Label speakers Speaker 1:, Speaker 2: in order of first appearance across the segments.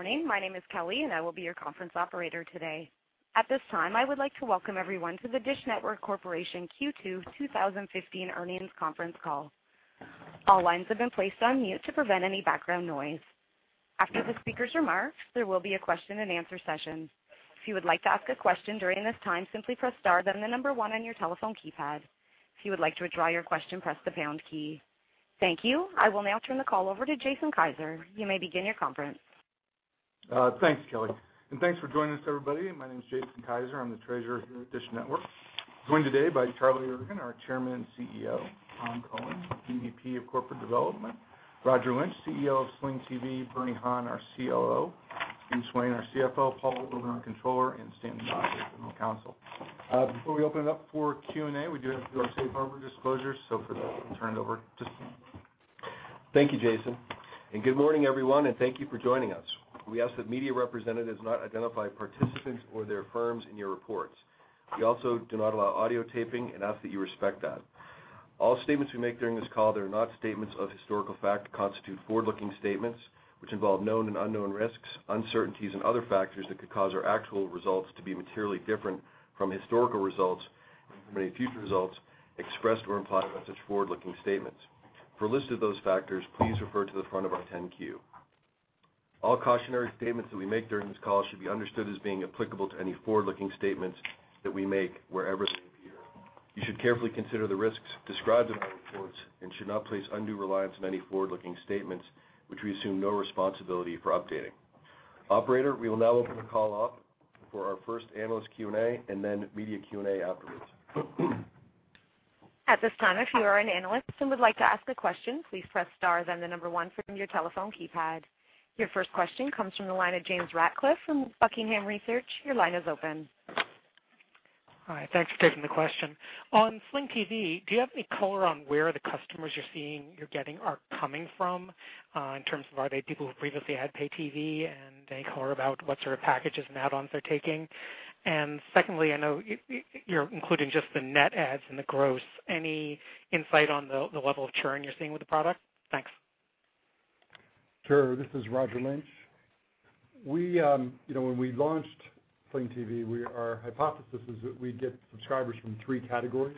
Speaker 1: Good morning. My name is Kelly. I will be your conference operator today. At this time, I would like to welcome everyone to the DISH Network Corporation Q2 2015 Earnings Conference Call. All lines have been placed on mute to prevent any background noise. After the speakers' remarks, there will be a question-and-answer session. If you would like to ask a question during this time, simply press star then the number one on your telephone keypad. If you would like to withdraw your question, press the pound key. Thank you. I will now turn the call over to Jason Kiser. You may begin your conference.
Speaker 2: Thanks, Kelly. Thanks for joining us, everybody. My name is Jason Kiser. I'm the Treasurer here at DISH Network. Joined today by Charlie Ergen, our Chairman and CEO, Tom Cullen, EVP of Corporate Development, Roger Lynch, CEO of Sling TV, Bernie Han, our COO, Steve Swain, our CFO, Paul Orban, Controller, and Stanton Dodge, our General Counsel. Before we open it up for Q&A, we do have to do our safe harbor disclosure. For that, I'll turn it over to Steve.
Speaker 3: Thank you, Jason, and good morning, everyone, and thank you for joining us. We ask that media representatives not identify participants or their firms in your reports. We also do not allow audio taping and ask that you respect that. All statements we make during this call that are not statements of historical fact constitute forward-looking statements which involve known and unknown risks, uncertainties and other factors that could cause our actual results to be materially different from historical results and from any future results expressed or implied by such forward-looking statements. For a list of those factors, please refer to the front of our Form 10-Q. All cautionary statements that we make during this call should be understood as being applicable to any forward-looking statements that we make wherever they appear. You should carefully consider the risks described in our reports and should not place undue reliance on any forward-looking statements which we assume no responsibility for updating. Operator, we will now open the call up for our first analyst Q&A and then media Q&A afterwards.
Speaker 1: At this time if you are an analyst who would like to ask a question, please press star then the number one from your telephone keypad. Your first question comes from the line of James Ratcliffe from Buckingham Research.
Speaker 4: All right. Thanks for taking the question. On Sling TV, do you have any color on where the customers you're seeing, you're getting are coming from, in terms of are they people who previously had Pay TV and any color about what sort of packages and add-ons they're taking? Secondly, I know you're including just the net adds and the gross. Any insight on the level of churn you're seeing with the product? Thanks.
Speaker 5: Sure. This is Roger Lynch. We, you know, when we launched Sling TV, our hypothesis is that we'd get subscribers from three categories.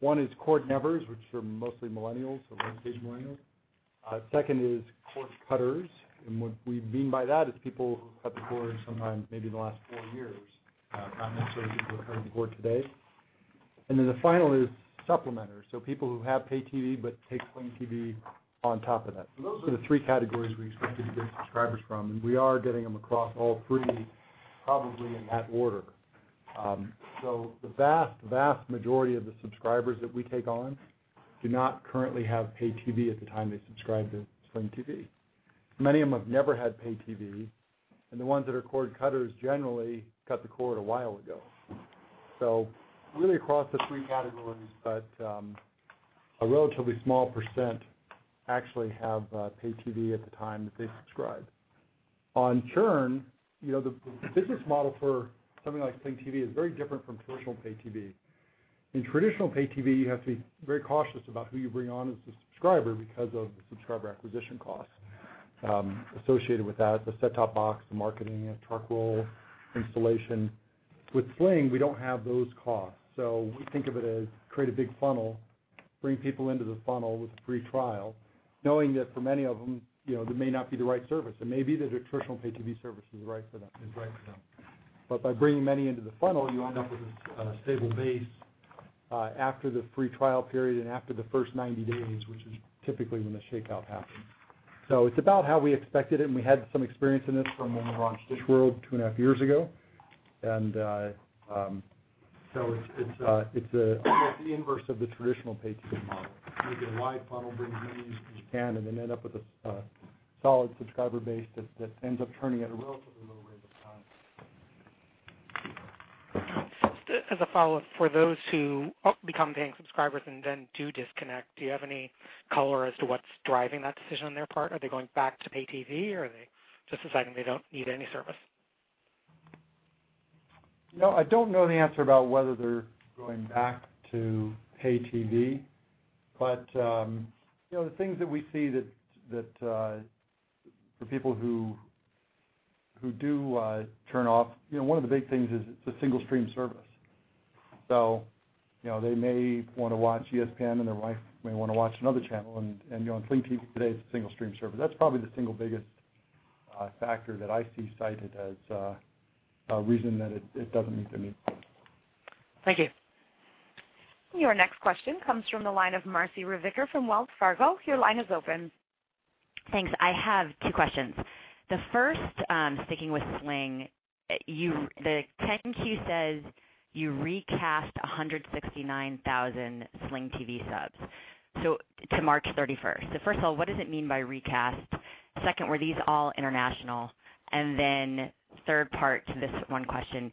Speaker 5: One is cord nevers, which are mostly millennials or late-stage millennials. 2nd is cord cutters, what we mean by that is people who cut the cord sometime maybe in the last four years, not necessarily people who are cutting the cord today. The final is supplementers, so people who have Pay TV but take Sling TV on top of that. Those are the three categories we expected to get subscribers from, and we are getting them across all three, probably in that order. The vast majority of the subscribers that we take on do not currently have Pay TV at the time they subscribe to Sling TV. Many of them have never had Pay TV, and the ones that are cord cutters generally cut the cord a while ago. Really across the three categories, but a relatively small % actually have Pay TV at the time that they subscribe. On churn, you know, the business model for something like Sling TV is very different from traditional Pay TV. In traditional Pay TV, you have to be very cautious about who you bring on as a subscriber because of the subscriber acquisition costs associated with that, the set-top box, the marketing, the truck roll, installation. With Sling, we don't have those costs. We think of it as create a big funnel, bring people into the funnel with a free trial, knowing that for many of them, you know, that may not be the right service and maybe the traditional Pay TV service is right for them. By bringing many into the funnel, you end up with a stable base after the free trial period and after the first 90 days, which is typically when the shakeout happens. It's about how we expected it, and we had some experience in this from when we launched Dish World 2.5 years ago. It's almost the inverse of the traditional Pay TV model. You make a wide funnel, bring as many in as you can, and then end up with a solid subscriber base that ends up churning at a relatively low rate of time.
Speaker 4: Just as a follow-up, for those who become paying subscribers and then do disconnect, do you have any color as to what's driving that decision on their part? Are they going back to Pay TV or are they just deciding they don't need any service?
Speaker 5: I don't know the answer about whether they're going back to Pay TV. You know, the things that we see that for people who do churn off, you know, one of the big things is it's a single stream service. You know, they may wanna watch ESPN and their wife may wanna watch another channel, you know, on Sling TV today, it's a single stream service. That's probably the single biggest factor that I see cited as a reason that it doesn't meet their needs.
Speaker 4: Thank you.
Speaker 1: Your next question comes from the line of Marci Ryvicker from Wells Fargo. Your line is open.
Speaker 6: Thanks. I have two questions. The first, sticking with Sling, the Form 10-Q says you recast 169,000 Sling TV subs, so to March 31st. First of all, what does it mean by recast? Second, were these all international? Third part to this one question,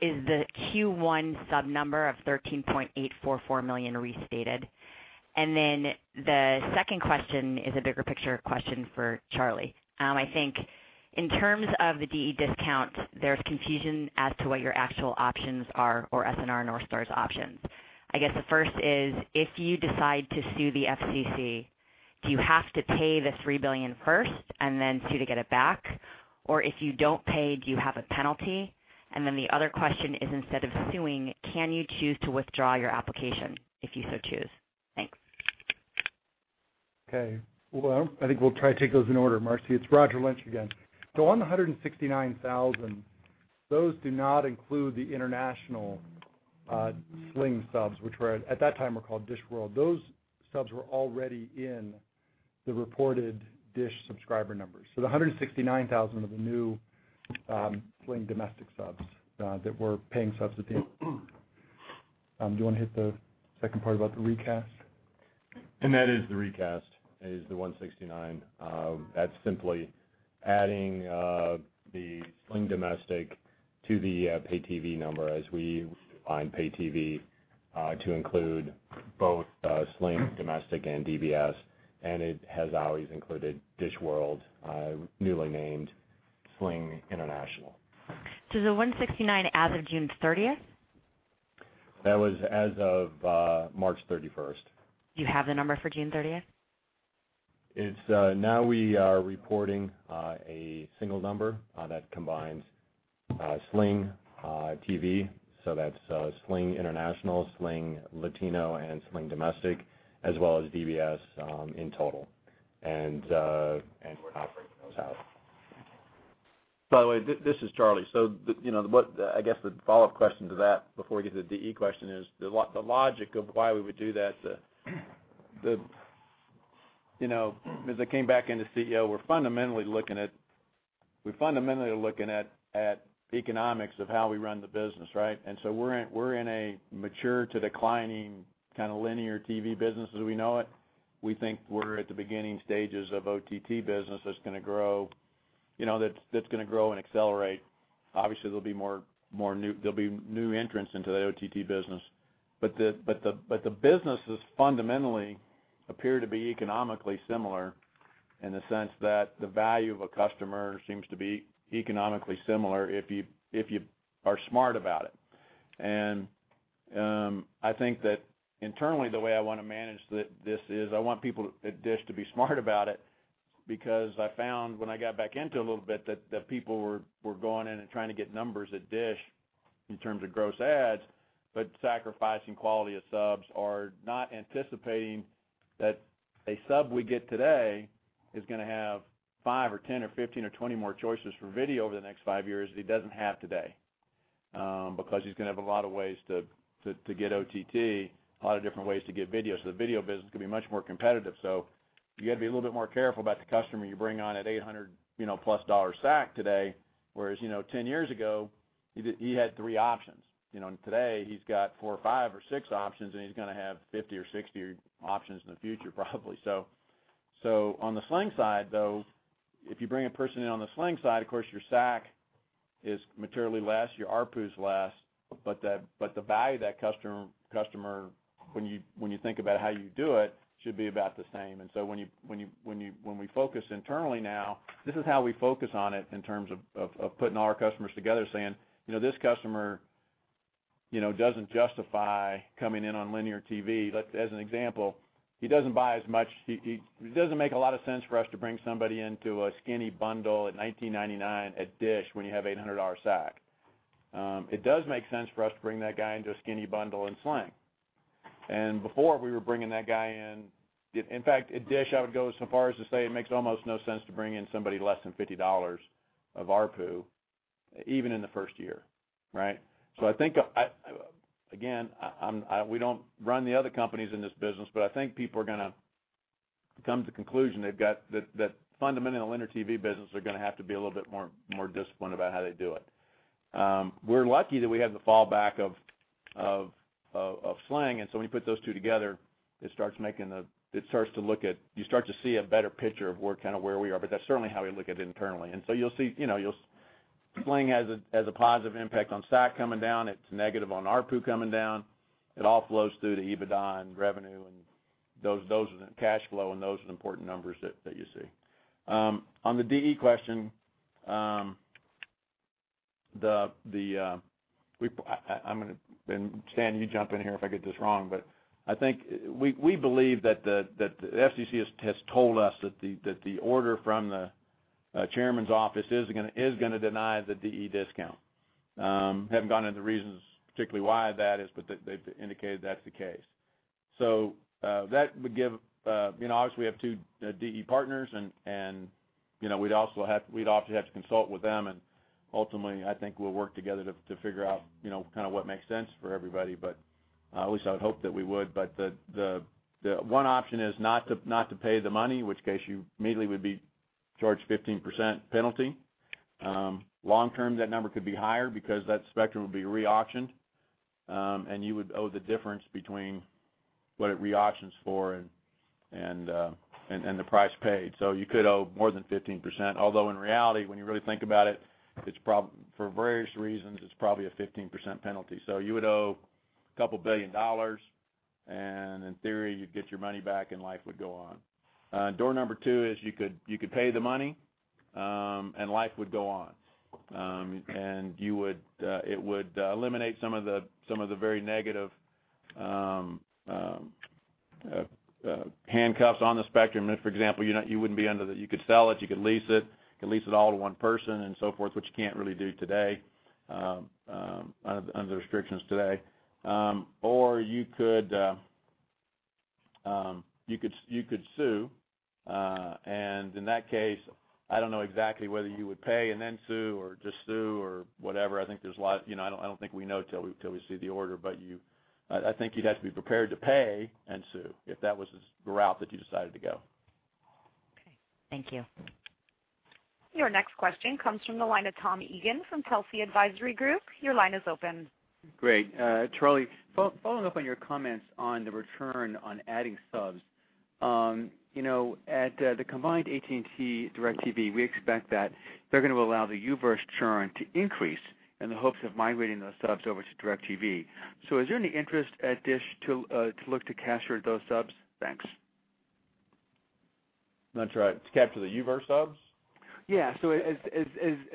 Speaker 6: is the Q1 sub number of 13.844 million restated? The second question is a bigger picture question for Charlie. I think in terms of the DE discount, there's confusion as to what your actual options are, or SNR Wireless and Northstar's options. I guess the first is, if you decide to sue the FCC, do you have to pay the $3 billion first and then sue to get it back? Or if you don't pay, do you have a penalty? The other question is instead of suing, can you choose to withdraw your application if you so choose? Thanks.
Speaker 5: Okay. Well, I think we'll try to take those in order, Marci. It's Roger Lynch again. On the 169,000, those do not include the international Sling subs, which were at that time called DISH World. Those subs were already in the reported Dish subscriber numbers. The 169,000 of the new Sling domestic subs that were paying subs. Do you wanna hit the second part about the recast?
Speaker 3: That is the recast, is the 169. That's simply adding the Sling Domestic to the Pay TV number as we define Pay TV to include both Sling Domestic and DBS, and it has always included DISH World, newly named Sling International.
Speaker 6: Is the 169 as of June 30th?
Speaker 3: That was as of, March 31st.
Speaker 6: Do you have the number for June 30th?
Speaker 3: It's now we are reporting a single number that combines Sling TV, so that's Sling International, Sling Latino, and Sling Domestic, as well as DBS in total. We're operating those out.
Speaker 7: By the way, this is Charlie. The, you know, the what I guess the follow-up question to that before we get to the DE question is the logic of why we would do that. You know, as I came back into CEO, we're fundamentally looking at economics of how we run the business, right? We're in a mature to declining kind of linear TV business as we know it. We think we're at the beginning stages of OTT business that's gonna grow, you know, that's gonna grow and accelerate. Obviously, there'll be more new entrants into the OTT business. The businesses fundamentally appear to be economically similar in the sense that the value of a customer seems to be economically similar if you, if you are smart about it. I think that internally, the way I wanna manage this is I want people at DISH to be smart about it because I found when I got back into a little bit that people were going in and trying to get numbers at DISH in terms of gross adds, but sacrificing quality of subs or not anticipating that a sub we get today is gonna have 5 or 10 or 15 or 20 more choices for video over the next five years that he doesn't have today, because he's gonna have a lot of ways to get OTT, a lot of different ways to get video. The video business is gonna be much more competitive. You gotta be a little bit more careful about the customer you bring on at $800, you know, plus SAC today, whereas, you know, 10 years ago, he had three options. You know? Today, he's got four or five or six options, and he's gonna have 50 or 60 options in the future probably. On the Sling side, though, if you bring a person in on the Sling side, of course, your SAC is materially less, your ARPU is less, but the value of that customer, when you think about how you do it, should be about the same. When you, when you, when you when we focus internally now, this is how we focus on it in terms of putting all our customers together, saying, "You know, this customer, you know, doesn't justify coming in on linear TV." As an example, he doesn't buy as much. It doesn't make a lot of sense for us to bring somebody into a skinny bundle at $19.99 at DISH when you have $800 SAC. It does make sense for us to bring that guy into a skinny bundle in Sling. Before, we were bringing that guy in. In fact, at DISH, I would go so far as to say it makes almost no sense to bring in somebody less than $50 of ARPU even in the first year, right? I think again, we don't run the other companies in this business, but I think people are gonna come to the conclusion they've got that fundamental linear TV business, they're gonna have to be a little bit more disciplined about how they do it. We're lucky that we have the fallback of Sling. When you put those two together, you start to see a better picture of where, kinda where we are. That's certainly how we look at it internally. You'll see, you know, Sling has a positive impact on SAC coming down. It's negative on ARPU coming down. It all flows through to EBITDA and revenue and those are the cash flow and those are the important numbers that you see. On the DE question, Stan, you jump in here if I get this wrong, but I think we believe that the FCC has told us that the order from the chairman's office is gonna deny the DE discount. Haven't gone into reasons particularly why that is, but they've indicated that's the case. That would give, you know, obviously, we have two DE partners and, you know, we'd obviously have to consult with them and ultimately, I think we'll work together to figure out, you know, kinda what makes sense for everybody. At least I would hope that we would. The one option is not to pay the money, in which case you immediately would be charged 15% penalty. Long term, that number could be higher because that spectrum would be re-auctioned, and you would owe the difference between what it re-auctions for and the price paid. You could owe more than 15%, although in reality, when you really think about it, for various reasons, it's probably a 15% penalty. You would owe a couple billion dollars and in theory, you'd get your money back and life would go on. Door number two is you could pay the money. Life would go on. It would eliminate some of the very negative handcuffs on the spectrum. If, for example, you know, you could sell it, you could lease it, you could lease it all to one person and so forth, which you can't really do today under the restrictions today. Or you could sue. In that case, I don't know exactly whether you would pay and then sue or just sue or whatever. You know, I don't think we know till we see the order. You I think you'd have to be prepared to pay and sue if that was the route that you decided to go.
Speaker 6: Okay. Thank you.
Speaker 1: Your next question comes from the line of Tom Eagan from Telsey Advisory Group. Your line is open.
Speaker 8: Great. Charlie, following up on your comments on the return on adding subs, you know, at the combined AT&T DirecTV, we expect that they're gonna allow the U-verse churn to increase in the hopes of migrating those subs over to DirecTV. Is there any interest at DISH to look to capture those subs? Thanks.
Speaker 7: I'm gonna try to capture the U-verse subs?
Speaker 8: Yeah. As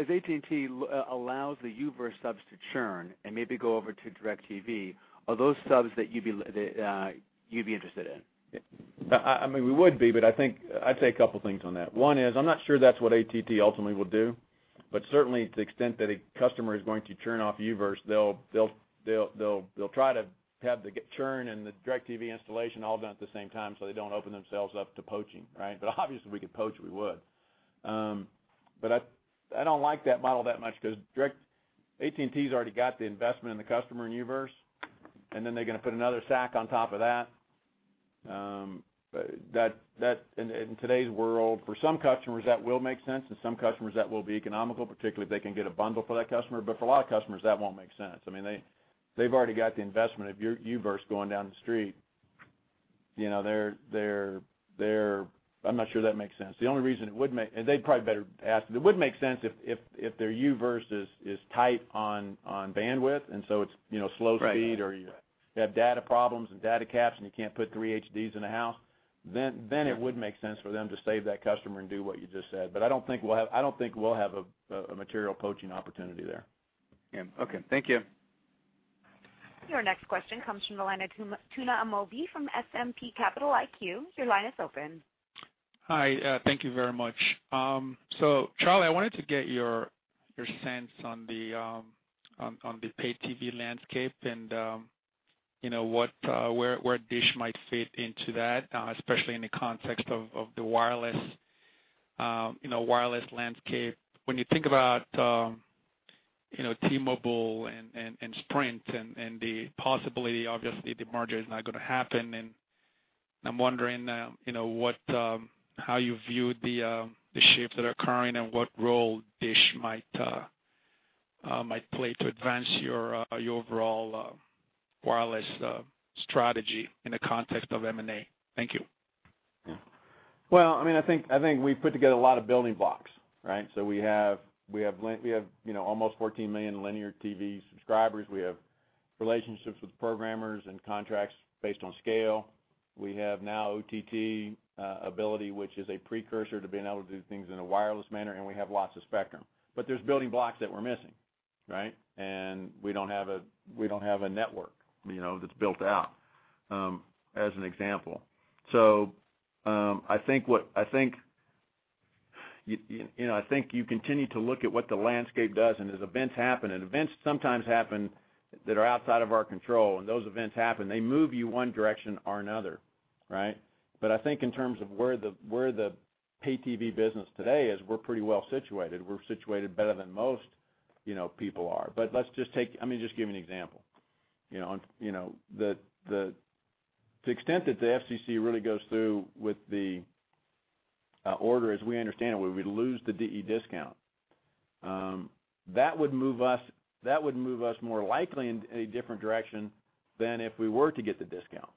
Speaker 8: AT&T allows the U-verse subs to churn and maybe go over to DirecTV, are those subs that you'd be interested in?
Speaker 7: I mean, we would be. I think I'd say a couple things on that. One is I'm not sure that's what AT&T ultimately will do. Certainly to the extent that a customer is going to churn off U-verse, they'll try to have the churn and the DirecTV installation all done at the same time so they don't open themselves up to poaching, right? Obviously, if we could poach, we would. I don't like that model that much 'cause AT&T's already got the investment in the customer in U-verse. They're gonna put another stack on top of that. That in today's world, for some customers, that will make sense. Some customers, that will be economical, particularly if they can get a bundle for that customer. For a lot of customers, that won't make sense. I mean, they've already got the investment of U-verse going down the street. You know, I'm not sure that makes sense. The only reason it would make sense if their U-verse is tight on bandwidth.
Speaker 8: Right
Speaker 7: You have data problems and data caps and you can't put three HDs in a house. Then it would make sense for them to save that customer and do what you just said. I don't think we'll have a material poaching opportunity there.
Speaker 8: Yeah. Okay. Thank you.
Speaker 1: Your next question comes from the line of Tuna Amobi from S&P Capital IQ. Your line is open.
Speaker 9: Hi. Thank you very much. Charlie, I wanted to get your sense on the paid TV landscape and, you know, what, where DISH might fit into that, especially in the context of the wireless, you know, wireless landscape. When you think about, you know, T-Mobile and Sprint and the possibility, obviously, the merger is not gonna happen, and I'm wondering, you know, what, how you view the shifts that are occurring and what role DISH might play to advance your overall, wireless strategy in the context of M&A. Thank you.
Speaker 7: Yeah. Well, I mean, I think we've put together a lot of building blocks, right? We have, you know, almost 14 million linear TV subscribers. We have relationships with programmers and contracts based on scale. We have now OTT ability, which is a precursor to being able to do things in a wireless manner, we have lots of spectrum. There's building blocks that we're missing, right? We don't have a network, you know, that's built out as an example. I think, you know, I think you continue to look at what the landscape does, as events happen, events sometimes happen that are outside of our control, when those events happen, they move you one direction or another, right? I think in terms of where the Pay TV business today is, we're pretty well situated. We're situated better than most, you know, people are. Let's just take I mean, just give you an example. You know, to the extent that the FCC really goes through with the order as we understand it, where we'd lose the DE discount, that would move us more likely in a different direction than if we were to get the discount,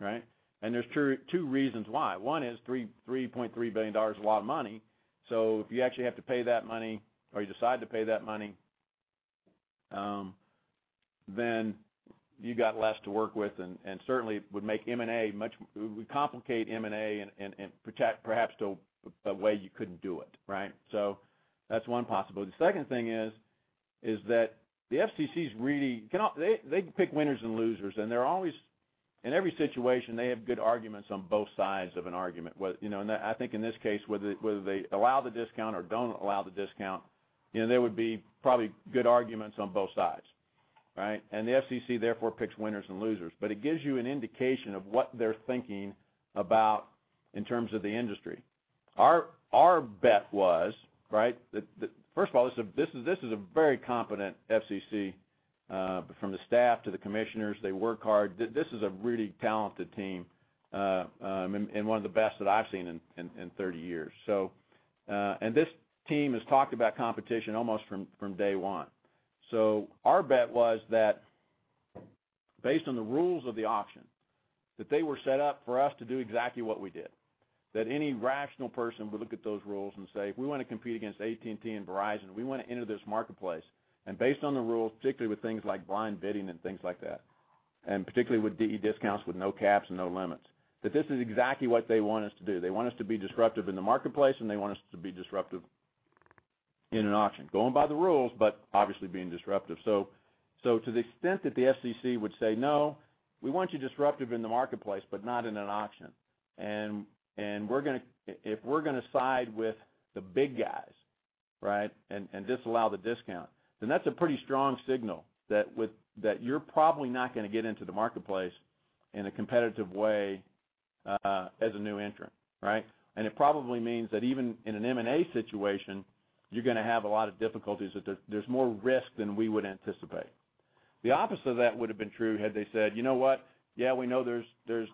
Speaker 7: right? There's two reasons why. One is $3.3 billion is a lot of money. If you actually have to pay that money or you decide to pay that money, then you got less to work with and certainly. It would complicate M&A and protect perhaps to a way you couldn't do it, right? That's one possibility. The second thing is that the FCC's really, they pick winners and losers. And they're always, in every situation, they have good arguments on both sides of an argument. Whether, you know, and I think in this case, whether they allow the discount or don't allow the discount, you know, there would be probably good arguments on both sides, right? The FCC therefore picks winners and losers. It gives you an indication of what they're thinking about in terms of the industry. Our bet was, First of all, this is a very competent FCC from the staff to the commissioners. They work hard. This is a really talented team, and one of the best that I've seen in 30 years. And this team has talked about competition almost from day one. Our bet was that based on the rules of the auction, that they were set up for us to do exactly what we did. That any rational person would look at those rules and say, "We wanna compete against AT&T and Verizon. We wanna enter this marketplace. Based on the rules, particularly with things like blind bidding and things like that. Particularly with DE discounts with no caps and no limits." This is exactly what they want us to do. They want us to be disruptive in the marketplace, and they want us to be disruptive in an auction. Going by the rules, but obviously being disruptive. To the extent that the FCC would say, "No, we want you disruptive in the marketplace, but not in an auction. We're gonna side with the big guys, right? Disallow the discount", then that's a pretty strong signal that you're probably not gonna get into the marketplace in a competitive way as a new entrant, right? It probably means that even in an M&A situation, you're gonna have a lot of difficulties with. There's more risk than we would anticipate. The opposite of that would've been true had they said, "You know what? Yeah, we know there's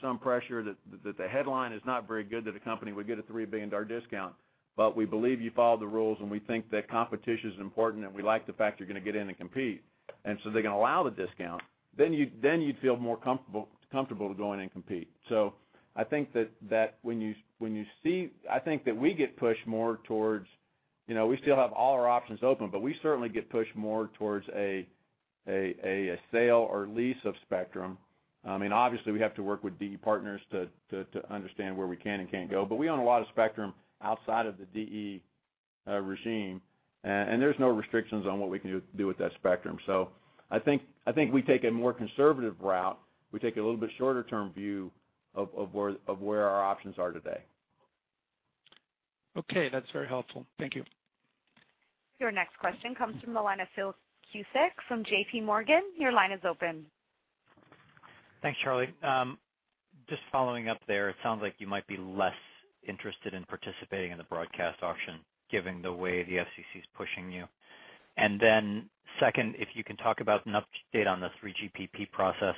Speaker 7: some pressure, that the headline is not very good that a company would get a $3 billion discount, but we believe you followed the rules, and we think that competition's important, and we like the fact you're gonna get in and compete." They're gonna allow the discount, then you'd feel more comfortable to go in and compete. I think that we get pushed more towards, you know, we still have all our options open, but we certainly get pushed more towards a sale or lease of spectrum. I mean, obviously we have to work with DE partners to understand where we can and can't go. We own a lot of spectrum outside of the DE regime. There's no restrictions on what we can do with that spectrum. I think we take a more conservative route. We take a little bit shorter term view of where our options are today.
Speaker 9: Okay, that's very helpful. Thank you.
Speaker 1: Your next question comes from the line of Philip Cusick from JPMorgan.
Speaker 10: Thanks, Charlie. Just following up there, it sounds like you might be less interested in participating in the broadcast auction given the way the FCC's pushing you. Second, if you can talk about an update on the 3GPP process.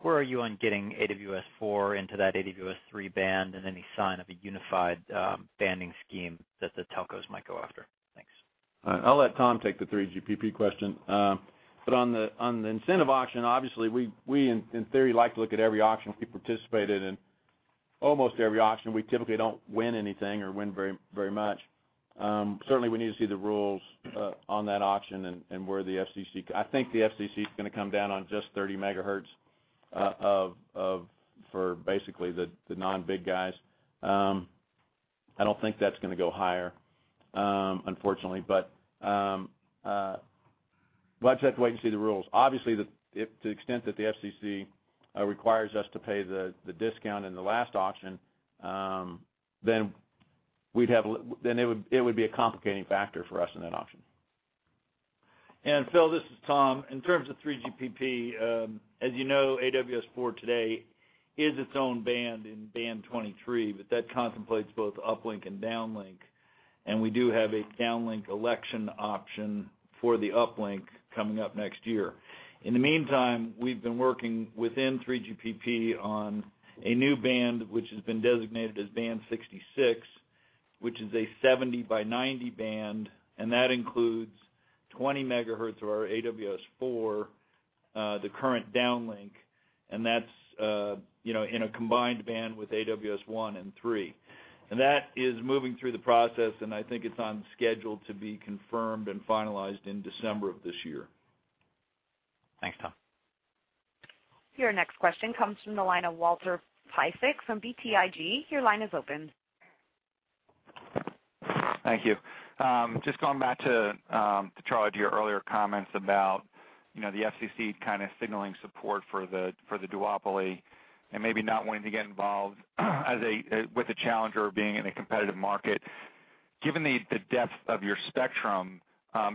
Speaker 10: Where are you on getting AWS-4 into that AWS-3 band, and any sign of a unified, banding scheme that the telcos might go after? Thanks.
Speaker 7: All right. I'll let Tom take the 3GPP question. On the incentive auction, obviously we in theory like to look at every auction we participate in, and almost every auction we typically don't win anything or win very much. Certainly we need to see the rules on that auction and where the FCC I think the FCC is going to come down on just 30 megahertz of for basically the non-big guys. I don't think that's going to go higher, unfortunately. We'll have to wait to see the rules. Obviously if to the extent that the FCC requires us to pay the discount in the last auction, then it would be a complicating factor for us in that auction.
Speaker 11: Phil, this is Tom. In terms of 3GPP, as you know, AWS-4 today is its own band in Band 23, but that contemplates both uplink and downlink. We do have a downlink election option for the uplink coming up next year. In the meantime, we've been working within 3GPP on a new band, which has been designated as Band 66, which is a 70/90 band, and that includes 20 MHz of our AWS-4, the current downlink, and that's, you know, in a combined band with AWS-1 and AWS-3. That is moving through the process, and I think it's on schedule to be confirmed and finalized in December of this year.
Speaker 10: Thanks, Tom.
Speaker 1: Your next question comes from the line of Walter Piecyk from BTIG. Your line is open.
Speaker 12: Thank you. Just going back to Charlie, to your earlier comments about, you know, the FCC kind of signaling support for the, for the duopoly and maybe not wanting to get involved as a with a challenger being in a competitive market. Given the depth of your spectrum,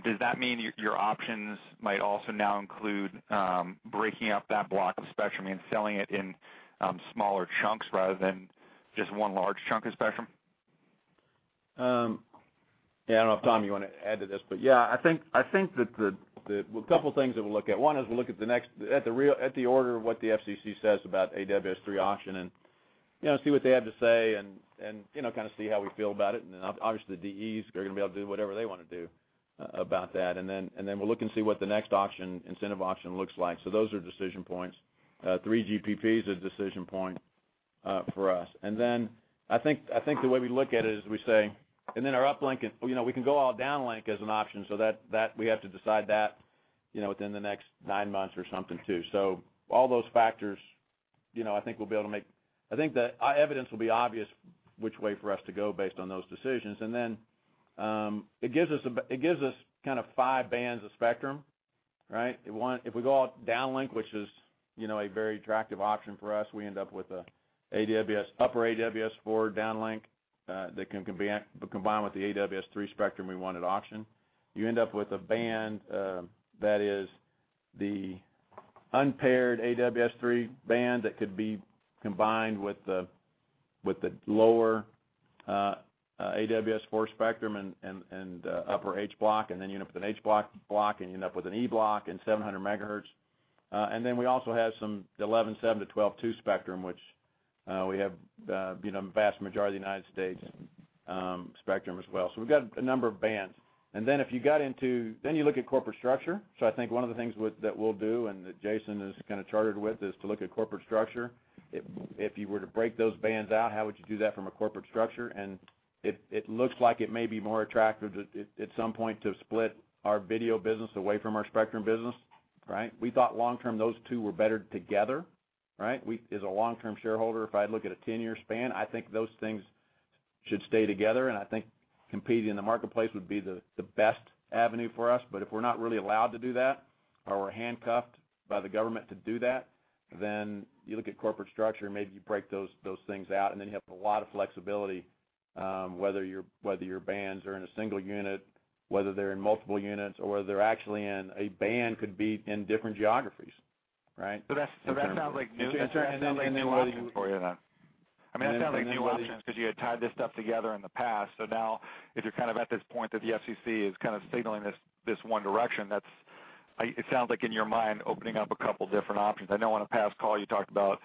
Speaker 12: does that mean your options might also now include breaking up that block of spectrum and selling it in smaller chunks rather than just one large chunk of spectrum?
Speaker 7: I don't know if Tom, you wanna add to this. I think that a couple things that we'll look at. One is we'll look at the order of what the FCC says about AWS-3 auction, you know, see what they have to say and, you know, kind of see how we feel about it. Obviously the DEs, they're gonna be able to do whatever they wanna do about that. Then we'll look and see what the next auction, incentive auction looks like. Those are decision points. 3GPP is a decision point for us. I think the way we look at it is we say, our uplink and, you know, we can go all downlink as an option so that we have to decide that within the next nine months or something too. All those factors, I think we'll be able to make the evidence will be obvious which way for us to go based on those decisions. It gives us it gives us kind of five bands of spectrum, right? If we go all downlink, which is a very attractive option for us, we end up with a AWS, upper AWS-4 downlink that can combine with the AWS-3 spectrum we won at auction. You end up with a band that is the unpaired AWS-3 band that could be combined with the lower AWS-4 spectrum and upper H block, and then you end up with an H block, and you end up with an E block and 700 MHz. We also have some 11.7 to 12.2 spectrum, which we have vast majority of the U.S. spectrum as well. We've got a number of bands. If you got into, then you look at corporate structure. I think one of the things we'll do and that Jason is kind of chartered with is to look at corporate structure. If you were to break those bands out, how would you do that from a corporate structure? It looks like it may be more attractive to at some point, to split our video business away from our spectrum business, right? We thought long term, those two were better together. Right? As a long-term shareholder, if I look at a 10-year span, I think those things should stay together, and I think competing in the marketplace would be the best avenue for us. If we're not really allowed to do that, or we're handcuffed by the government to do that, then you look at corporate structure, and maybe you break those things out, and then you have a lot of flexibility, whether your bands are in a single unit, whether they're in multiple units, or whether they're actually in a band could be in different geographies, right?
Speaker 12: That sounds like new.
Speaker 7: Which introduces new options for you then.
Speaker 12: I mean, that sounds like new options cause you had tied this stuff together in the past. Now if you're kind of at this point that the FCC is kind of signaling this one direction, it sounds like in your mind opening up a couple different options. I know on a past call you talked about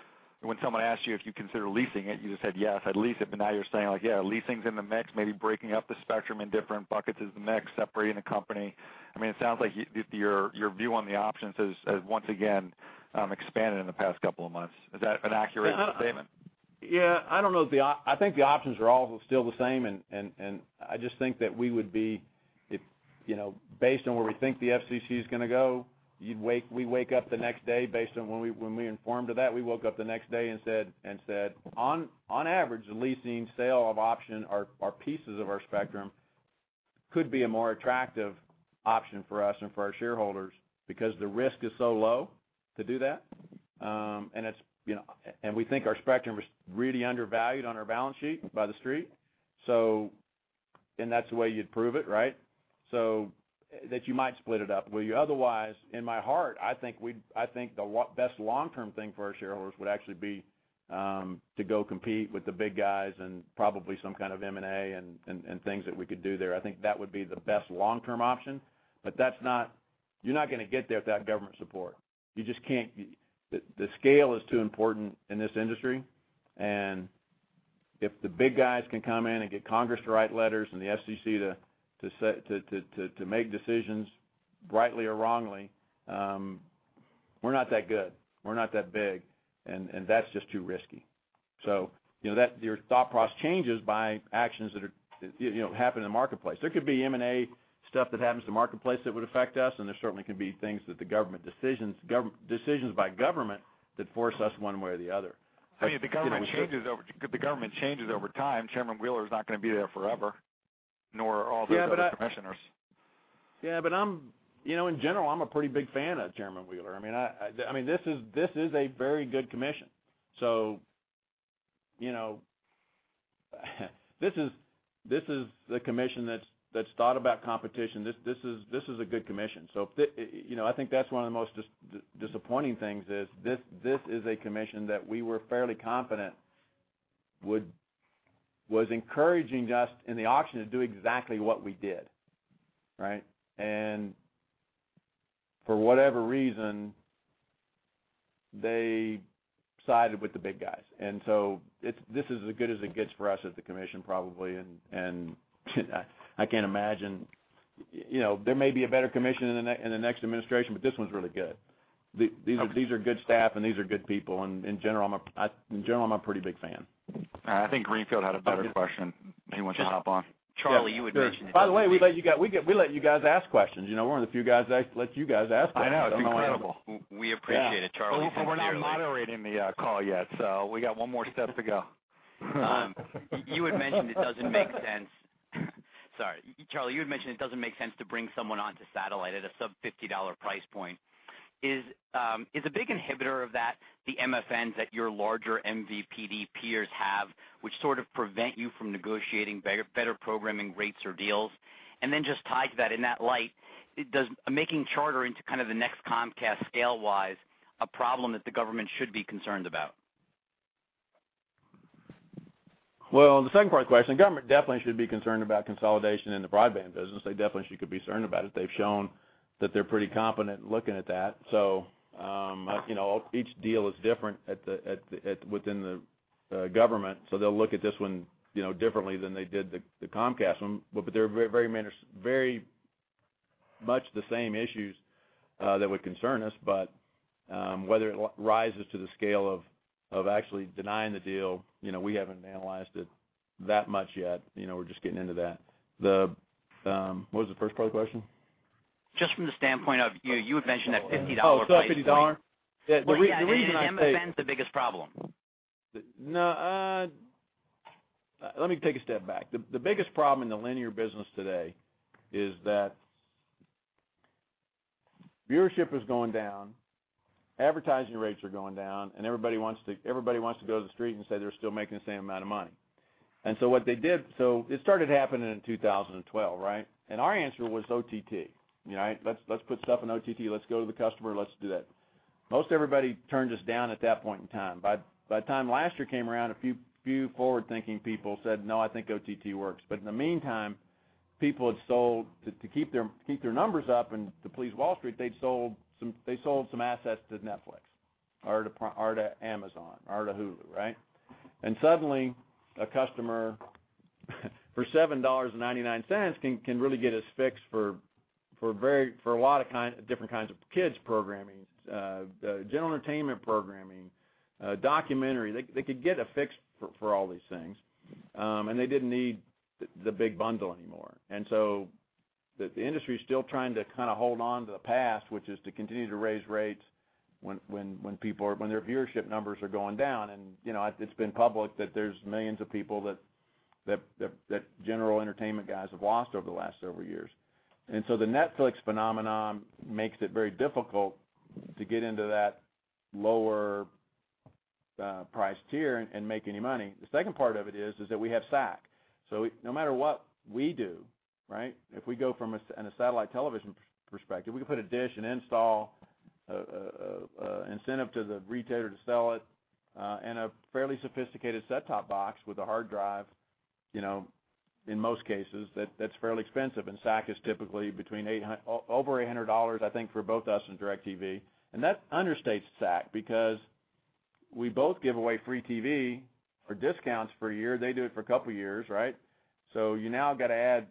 Speaker 12: when someone asked you if you consider leasing it, you just said, "Yes, I'd lease it." Now you're saying like, yeah, leasing's in the mix, maybe breaking up the spectrum in different buckets is the mix, separating the company. I mean, it sounds like your view on the options has once again expanded in the past couple of months. Is that an accurate statement?
Speaker 7: Yeah. I don't know if I think the options are all still the same, and I just think that we would be, if, you know, based on where we think the FCC is going to go, we wake up the next day based on when we informed of that, we woke up the next day and said, on average, the leasing sale of option or pieces of our spectrum could be a more attractive option for us and for our shareholders because the risk is so low to do that. It's, you know, and we think our spectrum is really undervalued on our balance sheet by the Street. That's the way you'd prove it, right? That you might split it up. Otherwise, in my heart, I think the best long-term thing for our shareholders would actually be to go compete with the big guys and probably some kind of M&A and things that we could do there. I think that would be the best long-term option. You're not gonna get there without government support. You just can't be The scale is too important in this industry. If the big guys can come in and get Congress to write letters and the FCC to make decisions rightly or wrongly, we're not that good. We're not that big, and that's just too risky. You know, your thought process changes by actions that are, you know, happen in the marketplace. There could be M&A stuff that happens to marketplace that would affect us, and there certainly could be things that decisions by government that force us one way or the other.
Speaker 12: I mean, the government changes over time. Chairman Wheeler is not gonna be there forever, nor all those other commissioners.
Speaker 7: I'm You know, in general, I'm a pretty big fan of Chairman Wheeler. I mean, this is a very good commission. You know, this is the commission that's thought about competition. This is a good commission. You know, I think that's one of the most disappointing things is this is a commission that we were fairly confident was encouraging us in the auction to do exactly what we did, right? For whatever reason, they sided with the big guys. This is as good as it gets for us as the commission, probably, and I can't imagine You know, there may be a better commission in the next administration, but this one's really good. These are good staff, and these are good people. In general, I'm a pretty big fan.
Speaker 12: All right. I think Greenfield had a better question he wanted to hop on.
Speaker 13: Charlie, you had mentioned.
Speaker 7: By the way, we let you guys ask questions. You know, we're one of the few guys that let you guys ask questions.
Speaker 12: I know. It's incredible.
Speaker 13: We appreciate it, Charlie.
Speaker 7: We're not moderating the call yet, so we got one more step to go.
Speaker 13: You had mentioned it doesn't make sense. Sorry. Charlie, you had mentioned it doesn't make sense to bring someone onto Satellite at a sub $50 price point. Is a big inhibitor of that the MFNs that your larger MVPD peers have, which sort of prevent you from negotiating better programming rates or deals? Just tied to that, in that light, does making Charter into kind of the next Comcast scale-wise a problem that the government should be concerned about?
Speaker 7: Well, the second part of the question, government definitely should be concerned about consolidation in the broadband business. They definitely should, could be concerned about it. They've shown that they're pretty competent looking at that. You know, each deal is different within the government. They'll look at this one, you know, differently than they did the Comcast one. They're very, very much the same issues that would concern us. Whether it rises to the scale of actually denying the deal, you know, we haven't analyzed it that much yet. You know, we're just getting into that. The, what was the first part of the question?
Speaker 13: Just from the standpoint of you had mentioned that $50 price point.
Speaker 7: Oh, sub $50.
Speaker 13: Are MFNs the biggest problem?
Speaker 7: No. Let me take a step back. The biggest problem in the linear business today is that viewership is going down, advertising rates are going down, and everybody wants to go to the street and say they're still making the same amount of money. It started happening in 2012, right? Our answer was OTT. You know, let's put stuff in OTT, let's go to the customer, let's do that. Most everybody turned us down at that point in time. By the time last year came around, a few forward-thinking people said, "No, I think OTT works." In the meantime, people had sold to keep their numbers up and to please Wall Street, they sold some assets to Netflix or to Amazon or to Hulu, right? Suddenly, a customer for $7.99 can really get his fix for a lot of different kinds of kids programming, general entertainment programming, documentary. They could get a fix for all these things, they didn't need the big bundle anymore. The industry's still trying to kinda hold on to the past, which is to continue to raise rates when people are when their viewership numbers are going down. You know, it's been public that there's millions of people that general entertainment guys have lost over the last several years. The Netflix phenomenon makes it very difficult to get into that lower price tier and make any money. The second part of it is that we have SAC. No matter what we do, right? If we go from in a satellite television perspective, we can put a dish and install an incentive to the retailer to sell it and a fairly sophisticated set-top box with a hard drive, you know, in most cases that's fairly expensive. SAC is typically between over $800, I think, for both us and DirecTV. That understates SAC because we both give away free TV for discounts for a year. They do it for a couple years, right? You now got to add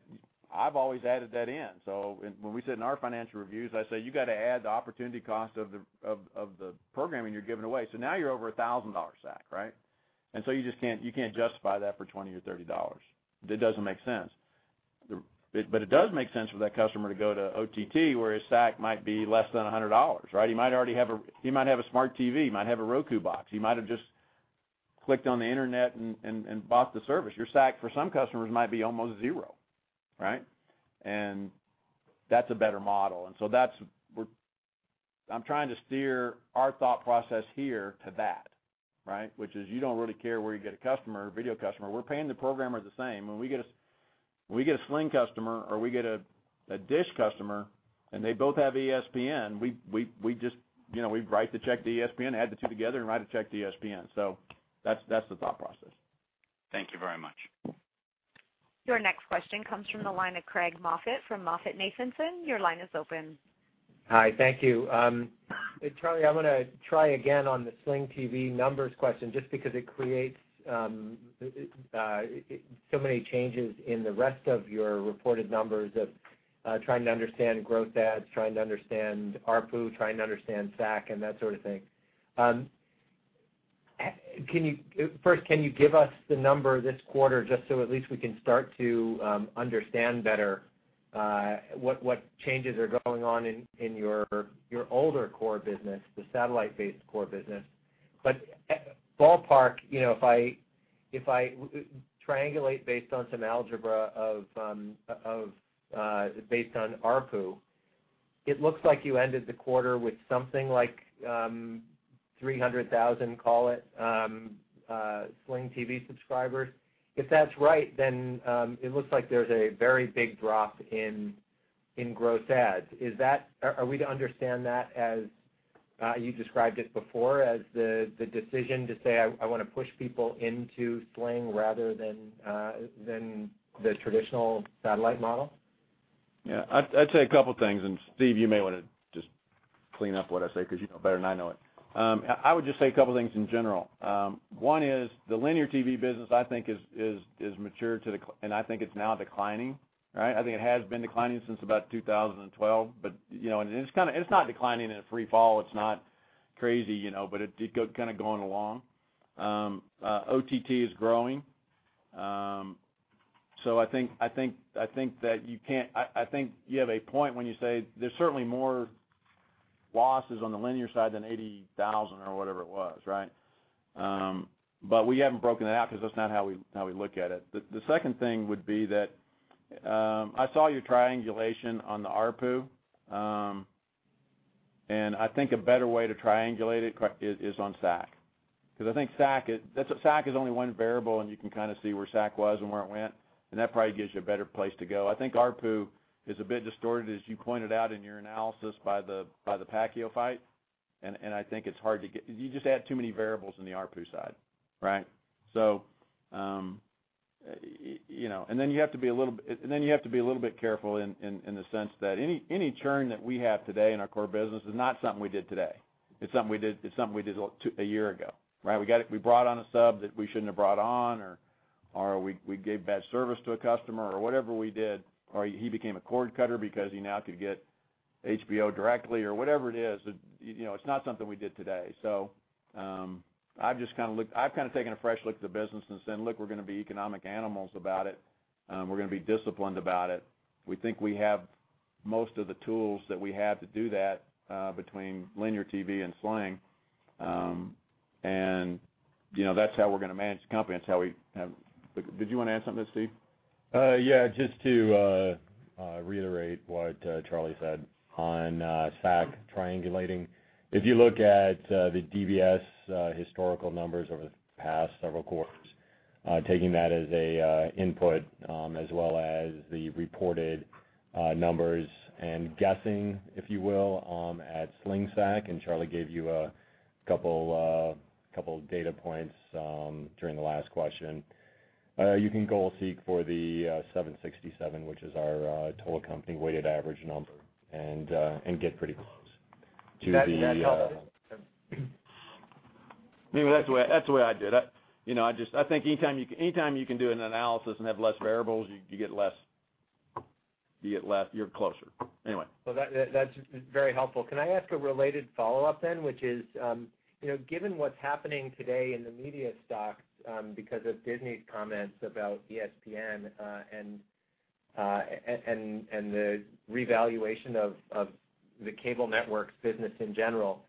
Speaker 7: I've always added that in. When we sit in our financial reviews, I say, "You got to add the opportunity cost of the programming you're giving away." Now you're over a $1,000 SAC, right? You just can't justify that for $20 or $30. It doesn't make sense. It does make sense for that customer to go to OTT, where his SAC might be less than $100, right? He might already have a smart TV, might have a Roku box. He might have just clicked on the internet and bought the service. Your SAC for some customers might be almost zero, right? That's a better model. That's, I'm trying to steer our thought process here to that, right. Which is you don't really care where you get a customer, a video customer. We're paying the programmer the same. When we get a Sling customer or we get a DISH customer and they both have ESPN, we just, you know, we write the check to ESPN, add the two together and write a check to ESPN. That's, that's the thought process.
Speaker 13: Thank you very much.
Speaker 1: Your next question comes from the line of Craig Moffett from MoffettNathanson.
Speaker 14: Hi, thank you. Charlie, I'm gonna try again on the Sling TV numbers question, just because it creates so many changes in the rest of your reported numbers of trying to understand growth adds, trying to understand ARPU, trying to understand SAC and that sort of thing. First, can you give us the number this quarter just so at least we can start to understand better what changes are going on in your older core business, the satellite-based core business. Ballpark, you know, if I triangulate based on some algebra of based on ARPU, it looks like you ended the quarter with something like 300,000, call it, Sling TV subscribers. If that's right, then it looks like there's a very big drop in gross ads. Are we to understand that as you described it before as the decision to say, "I wanna push people into Sling rather than the traditional satellite model?
Speaker 7: Yeah. I'd say a couple things, Steve, you may wanna just clean up what I say 'cause you know it better than I know it. I would just say a couple things in general. One is the linear TV business I think is mature to the and I think it's now declining, right? I think it has been declining since about 2012. You know, and it's kinda, it's not declining in a free fall. It's not crazy, you know, but it kind of going along. OTT is growing. I think that you can't I think you have a point when you say there's certainly more losses on the linear side than 80,000 or whatever it was, right? We haven't broken it out 'cause that's not how we, how we look at it. The second thing would be that, I saw your triangulation on the ARPU, and I think a better way to triangulate it is on SAC. 'Cause I think SAC is only one variable, and you can kinda see where SAC was and where it went, and that probably gives you a better place to go. I think ARPU is a bit distorted, as you pointed out in your analysis, by the Pacquiao fight. I think it's hard to get You just add too many variables in the ARPU side, right? You know, you have to be a little bit careful in the sense that any churn that we have today in our core business is not something we did today. It's something we did a year ago, right? We brought on a sub that we shouldn't have brought on, or we gave bad service to a customer or whatever we did, or he became a cord cutter because he now could get HBO directly or whatever it is. You know, it's not something we did today. I've kinda taken a fresh look at the business and said, "Look, we're gonna be economic animals about it. We're gonna be disciplined about it. We think we have most of the tools that we have to do that between linear TV and Sling. You know, that's how we're gonna manage the company. That's how we have. Did you wanna add something to this, Steve?
Speaker 3: Yeah, just to reiterate what Charlie said on SAC triangulating. If you look at the DBS historical numbers over the past several quarters, taking that as an input, as well as the reported numbers and guessing, if you will, at Sling SAC, and Charlie gave you a couple data points during the last question, you can go seek for the 767, which is our total company weighted average number, and get pretty close to the-
Speaker 14: That helps.
Speaker 7: Maybe that's the way I did it. You know, I just, I think anytime you can do an analysis and have less variables, you get less, you're closer.
Speaker 14: Well, that's very helpful. Can I ask a related follow-up then, which is, you know, given what's happening today in the media stocks, because of Disney's comments about ESPN, and the revaluation of the cable networks business in general,